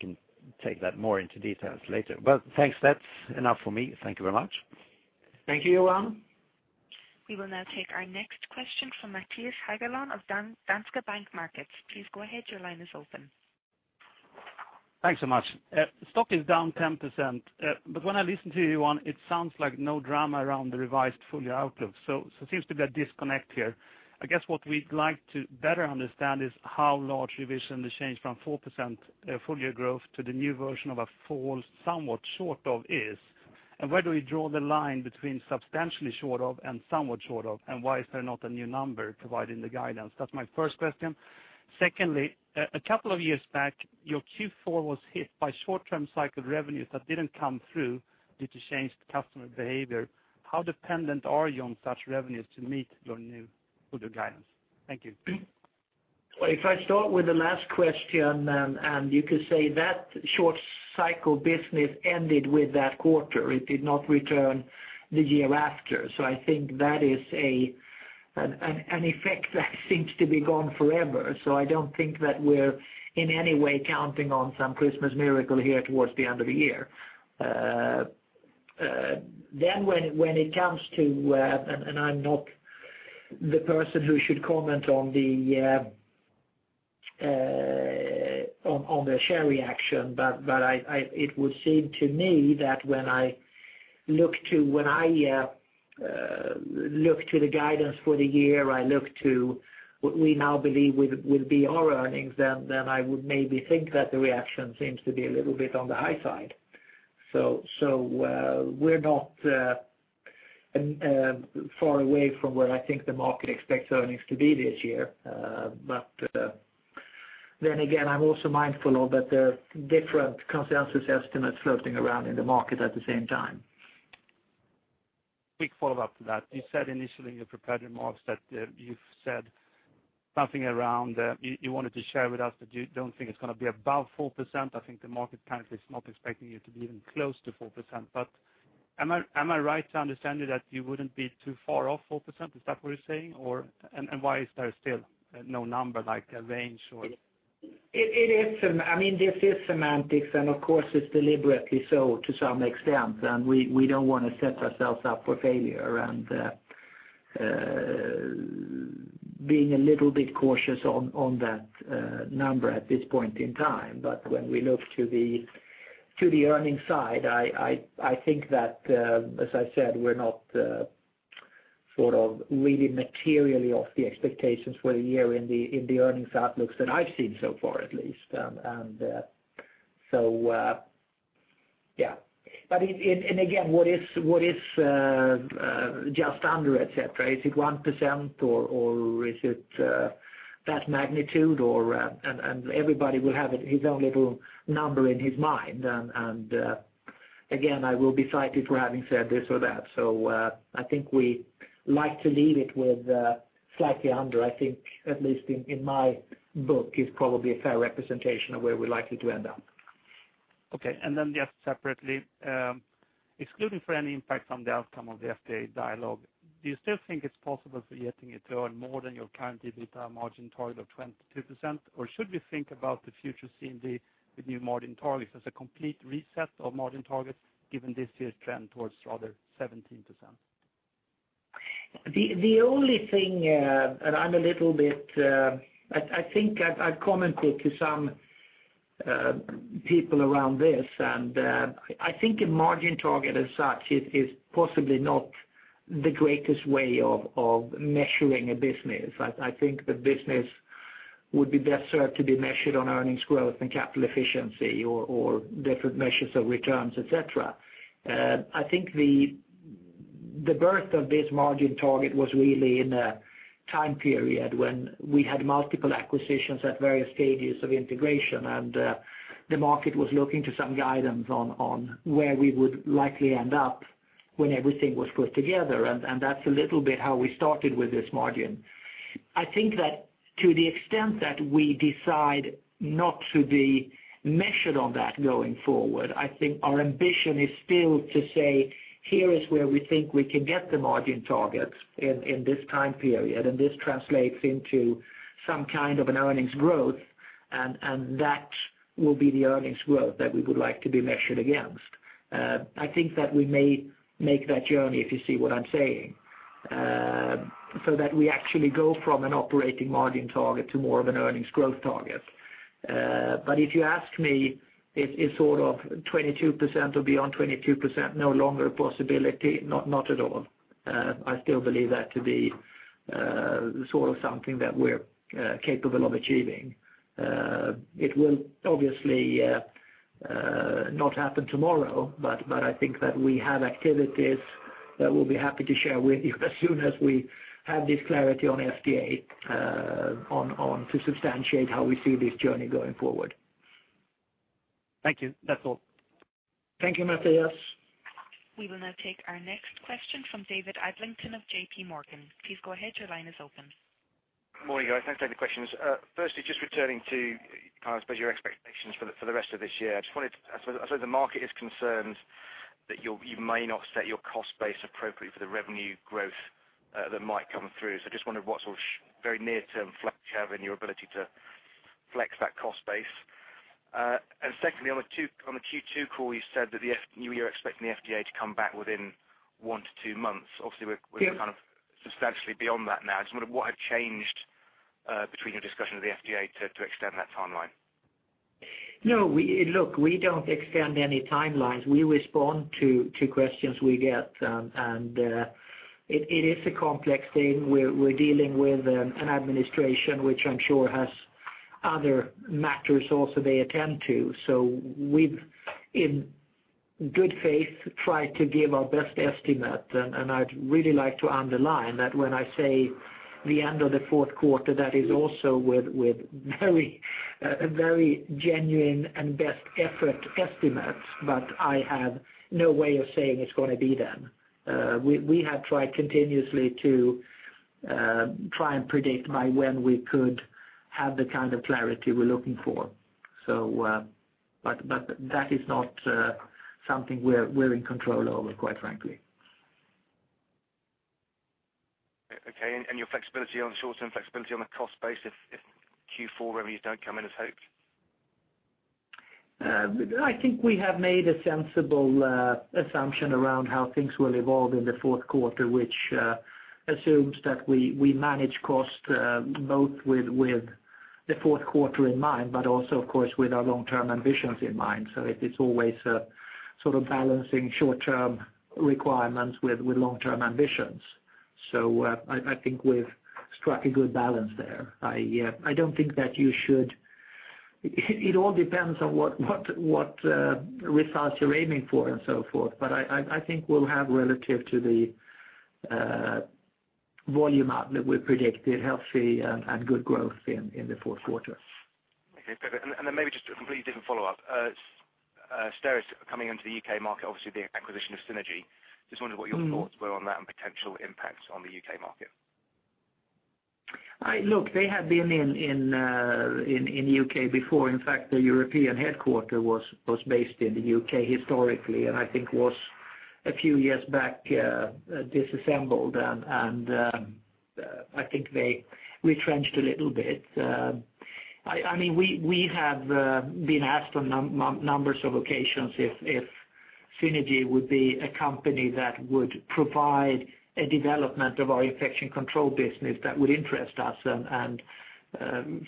[SPEAKER 8] Can take that more into details later. But thanks. That's enough for me. Thank you very much.
[SPEAKER 2] Thank you, Johan.
[SPEAKER 1] We will now take our next question from Mattias Häggblom of Danske Bank Markets. Please go ahead. Your line is open.
[SPEAKER 9] Thanks so much. Stock is down 10%. But when I listen to you, Johan, it sounds like no drama around the revised full-year outlook, so seems to be a disconnect here. I guess what we'd like to better understand is how large revision the change from 4% full-year growth to the new version of a fall, somewhat short of is. And where do we draw the line between substantially short of and somewhat short of, and why is there not a new number provided in the guidance? That's my first question. Secondly, a couple of years back, your Q4 was hit by short-term cycle revenues that didn't come through due to changed customer behavior. How dependent are you on such revenues to meet your new full-year guidance? Thank you.
[SPEAKER 2] Well, if I start with the last question, you could say that short-cycle business ended with that quarter. It did not return the year after. So I think that is an effect that seems to be gone forever. So I don't think that we're in any way counting on some Christmas miracle here towards the end of the year. Then, when it comes to, I'm not the person who should comment on the share reaction, but I... It would seem to me that when I look to the guidance for the year, I look to what we now believe will be our earnings. Then I would maybe think that the reaction seems to be a little bit on the high side. So, we're not far away from where I think the market expects earnings to be this year. But then again, I'm also mindful of the different consensus estimates floating around in the market at the same time.
[SPEAKER 9] Quick follow-up to that. You said initially in your prepared remarks that, you've said nothing around, you wanted to share with us, that you don't think it's gonna be above 4%. I think the market currently is not expecting you to be even close to 4%. But am I, am I right to understand you, that you wouldn't be too far off 4%? Is that what you're saying, or—and, and why is there still no number, like a range or?
[SPEAKER 2] It is semantics, I mean. This is semantics, and of course, it's deliberately so to some extent, and we don't want to set ourselves up for failure around being a little bit cautious on that number at this point in time. But when we look to the earnings side, I think that, as I said, we're not sort of really materially off the expectations for the year in the earnings outlooks that I've seen so far, at least. And so, yeah. But again, what is just under et cetera? Is it 1% or is it that magnitude? And everybody will have his own little number in his mind. Again, I will be cited for having said this or that. So, I think we like to leave it with slightly under, I think, at least in my book, is probably a fair representation of where we're likely to end up.
[SPEAKER 9] Okay. And then just separately, excluding for any impact on the outcome of the FDA dialogue, do you still think it's possible for Getinge to earn more than your current EBITDA margin target of 22%? Or should we think about the future CMD with new margin targets as a complete reset of margin targets, given this year's trend towards rather 17%?
[SPEAKER 2] The only thing, and I'm a little bit... I think I've commented to some people around this, and I think a margin target as such is possibly not the greatest way of measuring a business. I think the business would be best served to be measured on earnings growth and capital efficiency or different measures of returns, et cetera. I think the birth of this margin target was really in a time period when we had multiple acquisitions at various stages of integration, and the market was looking to some guidance on where we would likely end up when everything was put together, and that's a little bit how we started with this margin. I think that to the extent that we decide not to be measured on that going forward, I think our ambition is still to say, "Here is where we think we can get the margin targets in, in this time period," and this translates into some kind of an earnings growth, and that will be the earnings growth that we would like to be measured against. I think that we may make that journey, if you see what I'm saying. So that we actually go from an operating margin target to more of an earnings growth target. But if you ask me, is sort of 22% or beyond 22% no longer a possibility? Not at all. I still believe that to be sort of something that we're capable of achieving. It will obviously not happen tomorrow, but I think that we have activities that we'll be happy to share with you as soon as we have this clarity on FDA to substantiate how we see this journey going forward.
[SPEAKER 9] Thank you. That's all.
[SPEAKER 2] Thank you, Matthias.
[SPEAKER 1] We will now take our next question from David Adlington of JP Morgan. Please go ahead, your line is open.
[SPEAKER 10] Good morning, guys. Thanks for the questions. Firstly, just returning to, I suppose, your expectations for the rest of this year. I just wanted—I saw, I saw the market is concerned that you'll, you may not set your cost base appropriately for the revenue growth that might come through. So I just wondered what sort of very near-term flex you have in your ability to flex that cost base. And secondly, on the Q2 call, you said that you were expecting the FDA to come back within 1-2 months. Obviously, we're-
[SPEAKER 2] Yes...
[SPEAKER 10] kind of substantially beyond that now. I just wondered what had changed between your discussion with the FDA to extend that timeline?
[SPEAKER 2] No. Look, we don't extend any timelines. We respond to questions we get, and it is a complex thing. We're dealing with an administration which I'm sure has other matters also they attend to. So we've, in good faith, tried to give our best estimate, and I'd really like to underline that when I say the end of the fourth quarter, that is also with very genuine and best effort estimates, but I have no way of saying it's going to be then. We have tried continuously to try and predict by when we could have the kind of clarity we're looking for. So, but that is not something we're in control over, quite frankly.
[SPEAKER 10] Okay, and your flexibility on the short-term flexibility on the cost base, if Q4 revenues don't come in as hoped?
[SPEAKER 2] I think we have made a sensible assumption around how things will evolve in the fourth quarter, which assumes that we manage cost both with the fourth quarter in mind, but also, of course, with our long-term ambitions in mind. So it's always a sort of balancing short-term requirements with long-term ambitions. So I think we've struck a good balance there. I don't think that you should... It all depends on what results you're aiming for and so forth. But I think we'll have relative to the volume out that we predicted, healthy and good growth in the fourth quarter.
[SPEAKER 10] Okay, perfect. And then maybe just a completely different follow-up. Steris coming into the U.K. market, obviously, the acquisition of Synergy. Just wondered what your-
[SPEAKER 2] Mm...
[SPEAKER 10] thoughts were on that and potential impacts on the U.K. market.
[SPEAKER 2] Look, they have been in the UK before. In fact, the European headquarters was based in the UK historically, and I think was a few years back disassembled, and I think they retrenched a little bit. I mean, we have been asked on numbers of occasions if Synergy would be a company that would provide a development of our Infection Control business that would interest us. And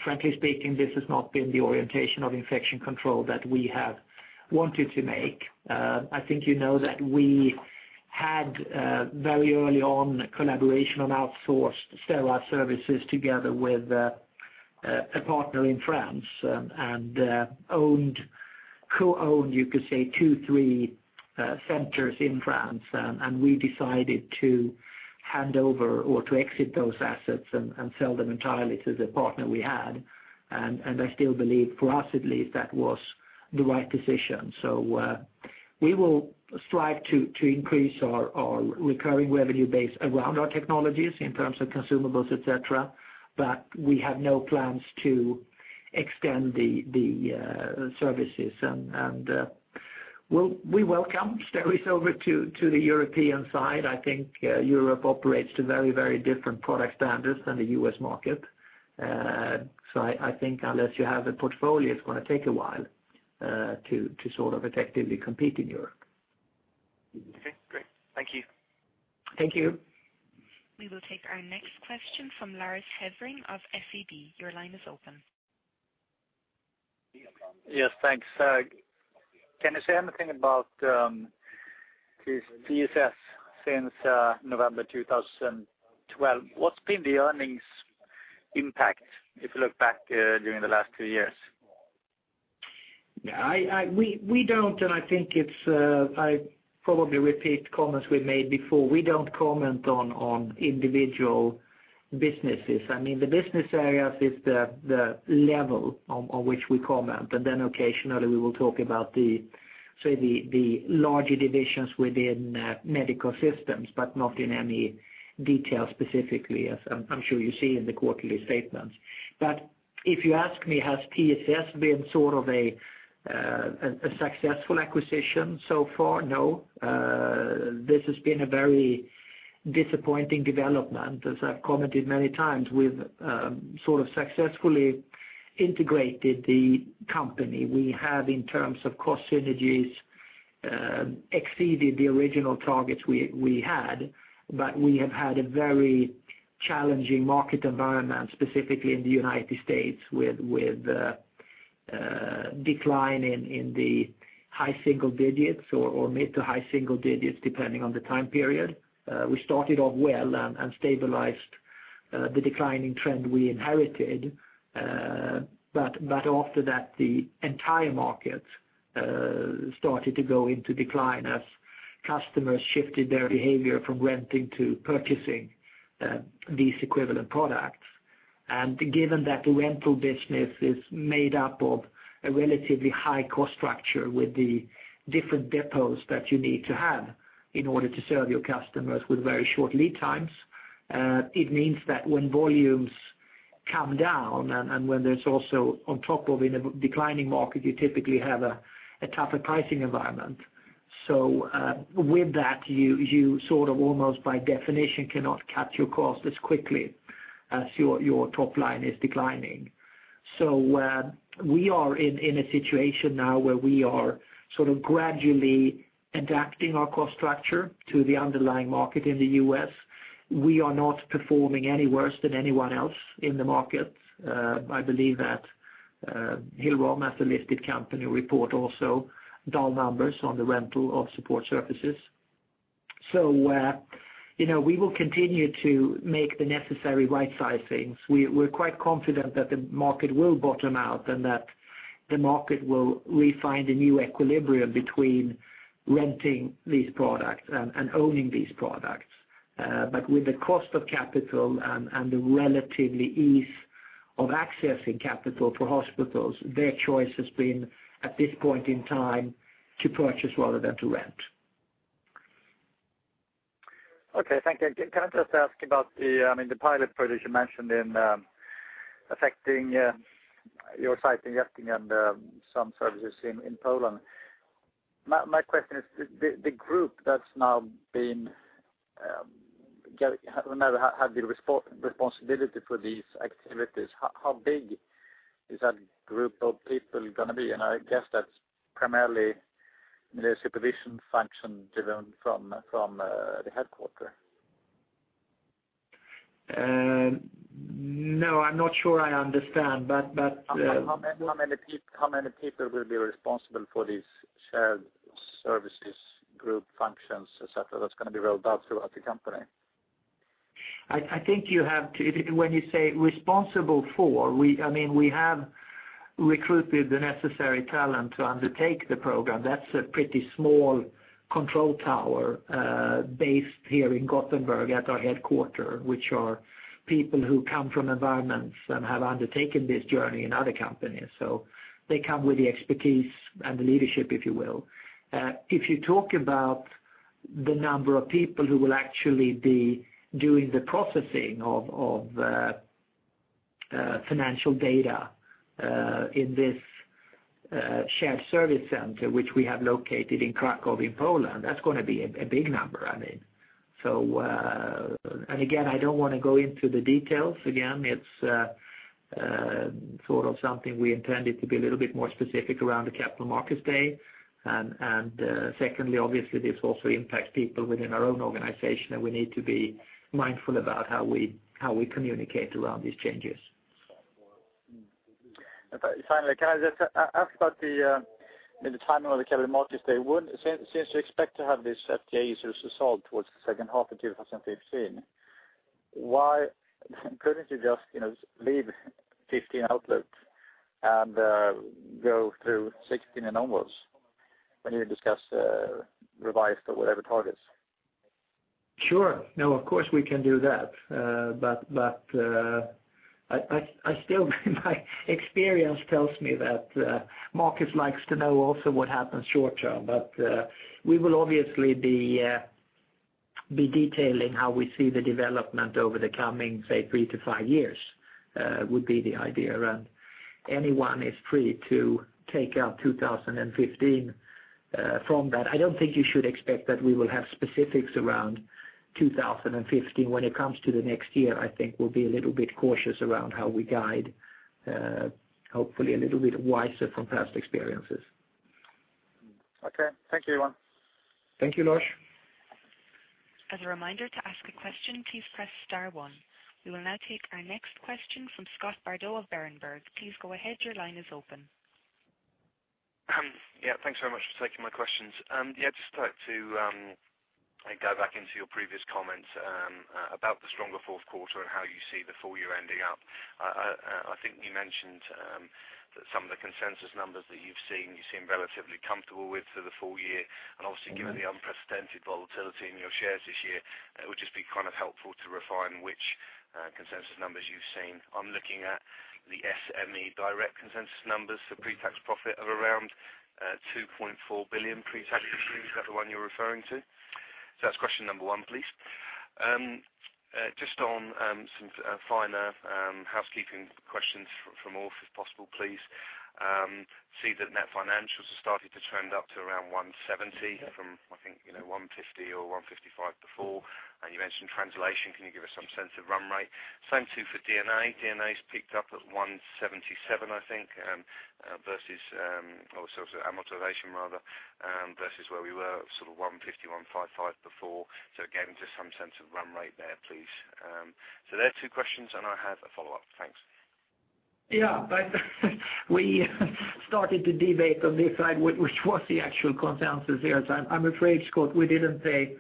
[SPEAKER 2] frankly speaking, this has not been the orientation of Infection Control that we have wanted to make. I think you know that we had very early on collaboration on outsourced sterile services together with a partner in France, and owned, co-owned, you could say, two, three centers in France. We decided to hand over or to exit those assets and sell them entirely to the partner we had. I still believe, for us at least, that was the right decision. So, we will strive to increase our recurring revenue base around our technologies in terms of consumables, et cetera, but we have no plans to extend the services. We welcome Steris over to the European side. I think Europe operates to very, very different product standards than the U.S. market. So I think unless you have a portfolio, it's gonna take a while to sort of effectively compete in Europe.
[SPEAKER 10] Okay, great. Thank you.
[SPEAKER 2] Thank you.
[SPEAKER 1] We will take our next question from Lars Heindorff of SEB. Your line is open.
[SPEAKER 11] Yes, thanks. Can you say anything about this TSS since November 2012? What's been the earnings impact if you look back during the last two years?
[SPEAKER 2] Yeah, we don't, and I think it's. I probably repeat comments we've made before. We don't comment on individual businesses. I mean, the business areas is the level on which we comment, and then occasionally we will talk about, say, the larger divisions within Medical Systems, but not in any detail, specifically, as I'm sure you see in the quarterly statements. But if you ask me, has TSS been sort of a successful acquisition so far? No. This has been a very disappointing development. As I've commented many times, we've sort of successfully integrated the company. We have, in terms of cost synergies, exceeded the original targets we, we had, but we have had a very challenging market environment, specifically in the United States, with, with, decline in, in the high single digits, or, or mid to high single digits, depending on the time period. We started off well and, and stabilized, the declining trend we inherited. But, but after that, the entire market, started to go into decline as customers shifted their behavior from renting to purchasing, these equivalent products. Given that the rental business is made up of a relatively high cost structure with the different depots that you need to have in order to serve your customers with very short lead times, it means that when volumes come down, and when there's also, on top of in a declining market, you typically have a tougher pricing environment. So, with that, you sort of almost, by definition, cannot cut your costs as quickly as your top-line is declining. So, we are in a situation now where we are sort of gradually adapting our cost structure to the underlying market in the U.S. We are not performing any worse than anyone else in the market. I believe that Hill-Rom, as a listed company, report also dull numbers on the rental of support services. So, you know, we will continue to make the necessary rightsizings. We're quite confident that the market will bottom out, and that the market will refind a new equilibrium between renting these products and owning these products. But with the cost of capital and the relatively ease of accessing capital for hospitals, their choice has been, at this point in time, to purchase rather than to rent.
[SPEAKER 11] Okay. Thank you. Can I just ask about the, I mean, the pilot project you mentioned in affecting your site in Gothenburg and some services in Poland. My question is, the group that's now been now have the responsibility for these activities, how big is that group of people gonna be? And I guess that's primarily the supervision function driven from the headquarters.
[SPEAKER 2] No, I'm not sure I understand, but
[SPEAKER 11] How many people will be responsible for these shared services, group functions, et cetera, that's gonna be rolled out throughout the company?
[SPEAKER 2] I think you have to... When you say responsible for, I mean, we have recruited the necessary talent to undertake the program. That's a pretty small control tower based here in Gothenburg at our headquarters, which are people who come from environments and have undertaken this journey in other companies. So they come with the expertise and the leadership, if you will. If you talk about the number of people who will actually be doing the processing of financial data in this shared service center, which we have located in Kraków, in Poland, that's gonna be a big number, I mean. So, and again, I don't want to go into the details. Again, it's sort of something we intended to be a little bit more specific around the Capital Markets Day. Secondly, obviously, this also impacts people within our own organization, and we need to be mindful about how we communicate around these changes.
[SPEAKER 11] But finally, can I just ask about the timing of the Capital Markets Day? Since you expect to have this FDA resolved towards the second half of 2015, why couldn't you just, you know, leave 2015 out and go through 2016 and onwards when you discuss revised or whatever targets?
[SPEAKER 2] Sure. No, of course, we can do that. But, I still my experience tells me that markets likes to know also what happens short-term. But, we will obviously be detailing how we see the development over the coming, say, three to five years, would be the idea around. Anyone is free to take out 2015 from that. I don't think you should expect that we will have specifics around 2015. When it comes to the next year, I think we'll be a little bit cautious around how we guide, hopefully, a little bit wiser from past experiences.
[SPEAKER 11] Okay. Thank you, Johan.
[SPEAKER 2] Thank you, Lars.
[SPEAKER 1] As a reminder, to ask a question, please press star one. We will now take our next question from Scott Bardo of Berenberg. Please go ahead. Your line is open.
[SPEAKER 12] Yeah, thanks very much for taking my questions. Yeah, just like to go back into your previous comments about the stronger fourth quarter and how you see the full-year ending up. I think you mentioned that some of the consensus numbers that you've seen, you seem relatively comfortable with for the full-year. And obviously, given the unprecedented volatility in your shares this year, it would just be kind of helpful to refine which consensus numbers you've seen. I'm looking at the SME Direkt consensus numbers for pre-tax profit of around 2.4 billion pre-tax. Is that the one you're referring to? So that's question number one, please. Just on some finer housekeeping questions from all, if possible, please. See that net financials have started to trend up to around 170 from, I think, you know, 150 or 155 before, and you mentioned translation. Can you give us some sense of run rate? Same, too, for D&A. D&A's peaked up at 177, I think, versus, so amortization rather, versus where we were, sort of 150, 155 before. So again, just some sense of run rate there, please. So there are two questions, and I have a follow-up. Thanks.
[SPEAKER 2] Yeah, but we started to debate on this side, which was the actual consensus here. So I'm afraid, Scott, we didn't pay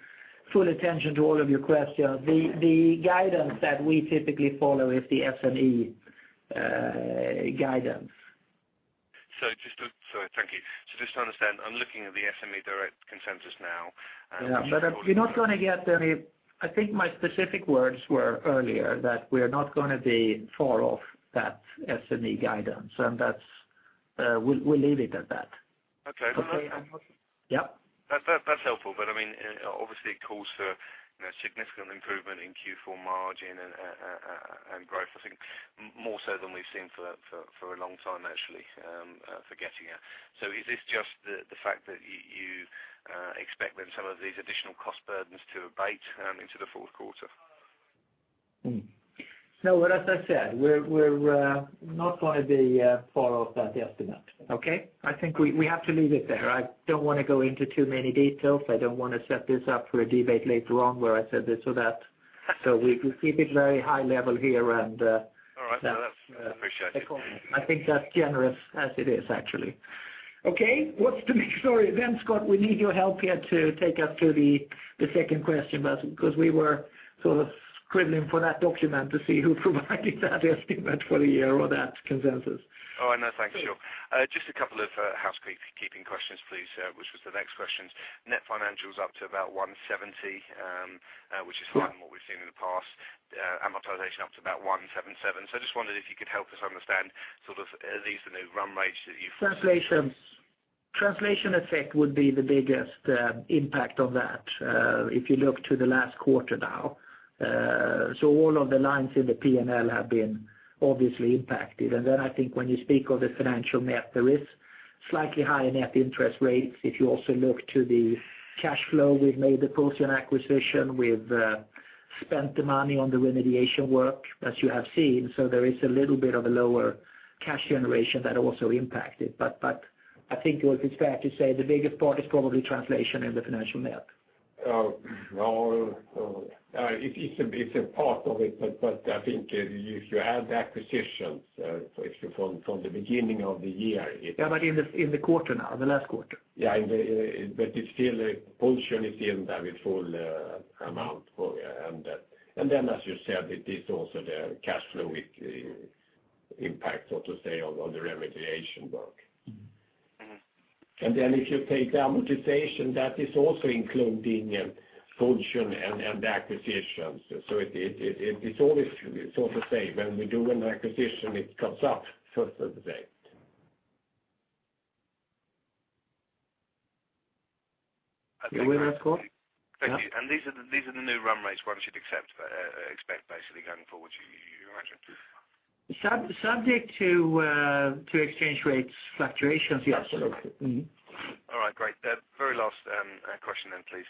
[SPEAKER 2] full attention to all of your questions. The guidance that we typically follow is the SME guidance.
[SPEAKER 12] So thank you. So just to understand, I'm looking at the SME Direkt consensus now, and-
[SPEAKER 2] Yeah, but you're not going to get any. I think my specific words were earlier, that we are not going to be far off that SME guidance, and that's, we'll leave it at that.
[SPEAKER 12] Okay.
[SPEAKER 2] Yeah.
[SPEAKER 12] That's helpful, but I mean, obviously, it calls for, you know, significant improvement in Q4 margin and growth, I think, more so than we've seen for a long time, actually, for Getinge. So is this just the fact that you expect then some of these additional cost burdens to abate into the fourth quarter?
[SPEAKER 2] Hmm. No, but as I said, we're not going to be far off that estimate, okay? I think we have to leave it there. I don't want to go into too many details. I don't want to set this up for a debate later on where I said this or that. So we keep it very high level here, and-
[SPEAKER 12] All right. No, that's... Appreciate it.
[SPEAKER 2] I think that's generous as it is, actually. Okay, what's the next story then, Scott? We need your help here to take us to the second question, but because we were sort of scribbling for that document to see who provided that estimate for the year or that consensus.
[SPEAKER 12] Oh, no, thanks, Johan. Just a couple of housekeeping questions, please, which was the next question. Net financial is up to about 170, which is higher than what we've seen in the past. Amortization up to about 177. So I just wondered if you could help us understand, sort of, are these the new run rates that you've-
[SPEAKER 2] Translation effect would be the biggest impact on that, if you look to the last quarter now. So all of the lines in the P&L have been obviously impacted. And then I think when you speak of the financial net, there is slightly higher net interest rates. If you also look to the cash flow, we've made the Pulsion acquisition, we've spent the money on the remediation work, as you have seen. So there is a little bit of a lower cash generation that also impacted. But, but I think it was fair to say the biggest part is probably translation in the financial net.
[SPEAKER 3] Well, it's a part of it, but I think if you add the acquisitions, so if you from the beginning of the year, it-
[SPEAKER 2] Yeah, but in the quarter now, the last quarter.
[SPEAKER 3] Yeah, in the... But it's still, the Pulsion is in there with full amount for and... And then, as you said, it is also the cash flow with the impact, so to say, on, on the remediation work.
[SPEAKER 2] Mm-hmm.
[SPEAKER 3] And then if you take the amortization, that is also including Pulsion and the acquisitions. So it's always sort of say, when we do an acquisition, it comes up first of the day.
[SPEAKER 2] You with me, Scott?
[SPEAKER 12] Thank you. And these are the new run rates one should accept, expect, basically, going forward, you imagine? ...
[SPEAKER 2] Subject to exchange rates fluctuations, yes, absolutely. Mm-hmm.
[SPEAKER 12] All right, great. Very last question then, please.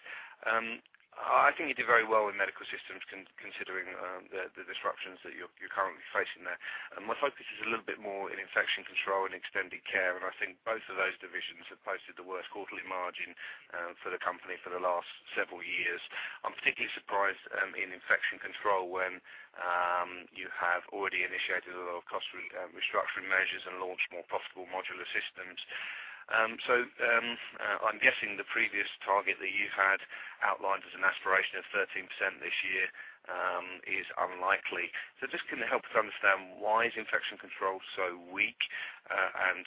[SPEAKER 12] I think you did very well in Medical Systems considering the disruptions that you're currently facing there. And my focus is a little bit more in Infection Control and Extended Care, and I think both of those divisions have posted the worst quarterly margin for the company for the last several years. I'm particularly surprised in Infection Control, when you have already initiated a lot of cost restructuring measures and launched more profitable modular systems. So, I'm guessing the previous target that you had outlined as an aspiration of 13% this year is unlikely. So just gonna help us understand why is Infection Control so weak, and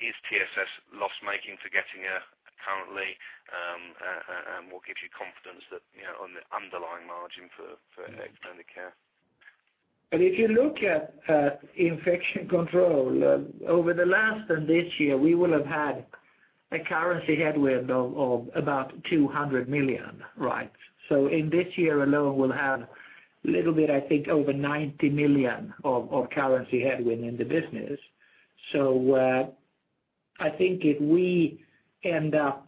[SPEAKER 12] is TSS loss-making for Getinge currently, and what gives you confidence that, you know, on the underlying margin for Extended Care?
[SPEAKER 2] If you look at Infection Control, over the last and this year, we will have had a currency headwind of about 200 million, right? So in this year alone, we'll have a little bit, I think, over 90 million of currency headwind in the business. So, I think if we end up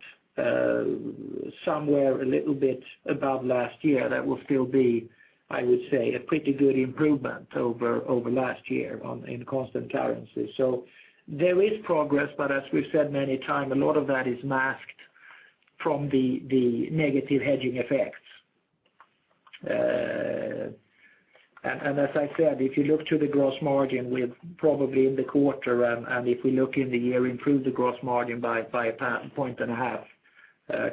[SPEAKER 2] somewhere a little bit above last year, that will still be, I would say, a pretty good improvement over last year on, in constant currency. So there is progress, but as we've said many times, a lot of that is masked from the negative hedging effects. And as I said, if you look to the gross margin, we've probably in the quarter, and if we look in the year, improved the gross margin by 1.5 points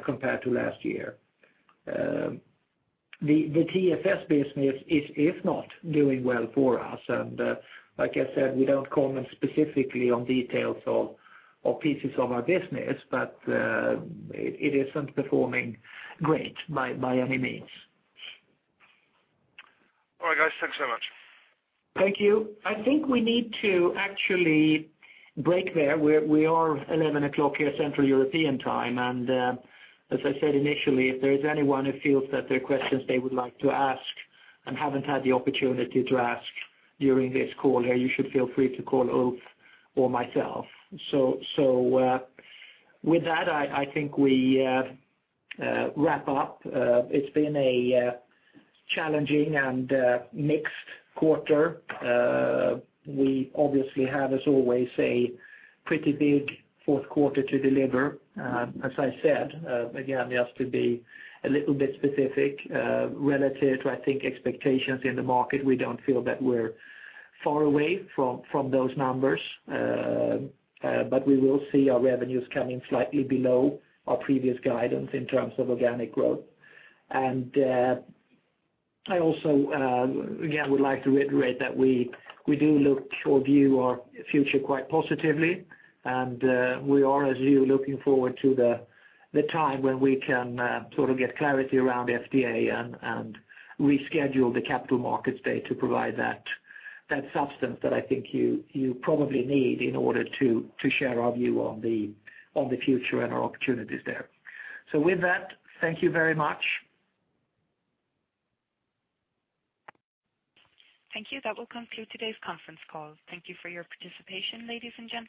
[SPEAKER 2] compared to last year. The TSS business is not doing well for us, and like I said, we don't comment specifically on details or pieces of our business, but it isn't performing great by any means.
[SPEAKER 12] All right, guys. Thanks so much.
[SPEAKER 2] Thank you. I think we need to actually break there. We are 11:00 A.M. here, Central European Time, and, as I said initially, if there is anyone who feels that there are questions they would like to ask and haven't had the opportunity to ask during this call here, you should feel free to call Ulf or myself. So, with that, I think we wrap up. It's been a challenging and mixed quarter. We obviously have, as always, a pretty big fourth quarter to deliver. As I said, again, just to be a little bit specific, relative to, I think, expectations in the market, we don't feel that we're far away from those numbers. But we will see our revenues coming slightly below our previous guidance in terms of organic growth. I also, again, would like to reiterate that we do look or view our future quite positively, and we are, as you, looking forward to the time when we can sort of get clarity around the FDA and reschedule the Capital Markets Day to provide that substance that I think you probably need in order to share our view on the future and our opportunities there. So with that, thank you very much.
[SPEAKER 1] Thank you. That will conclude today's conference call. Thank you for your participation, ladies and gentlemen.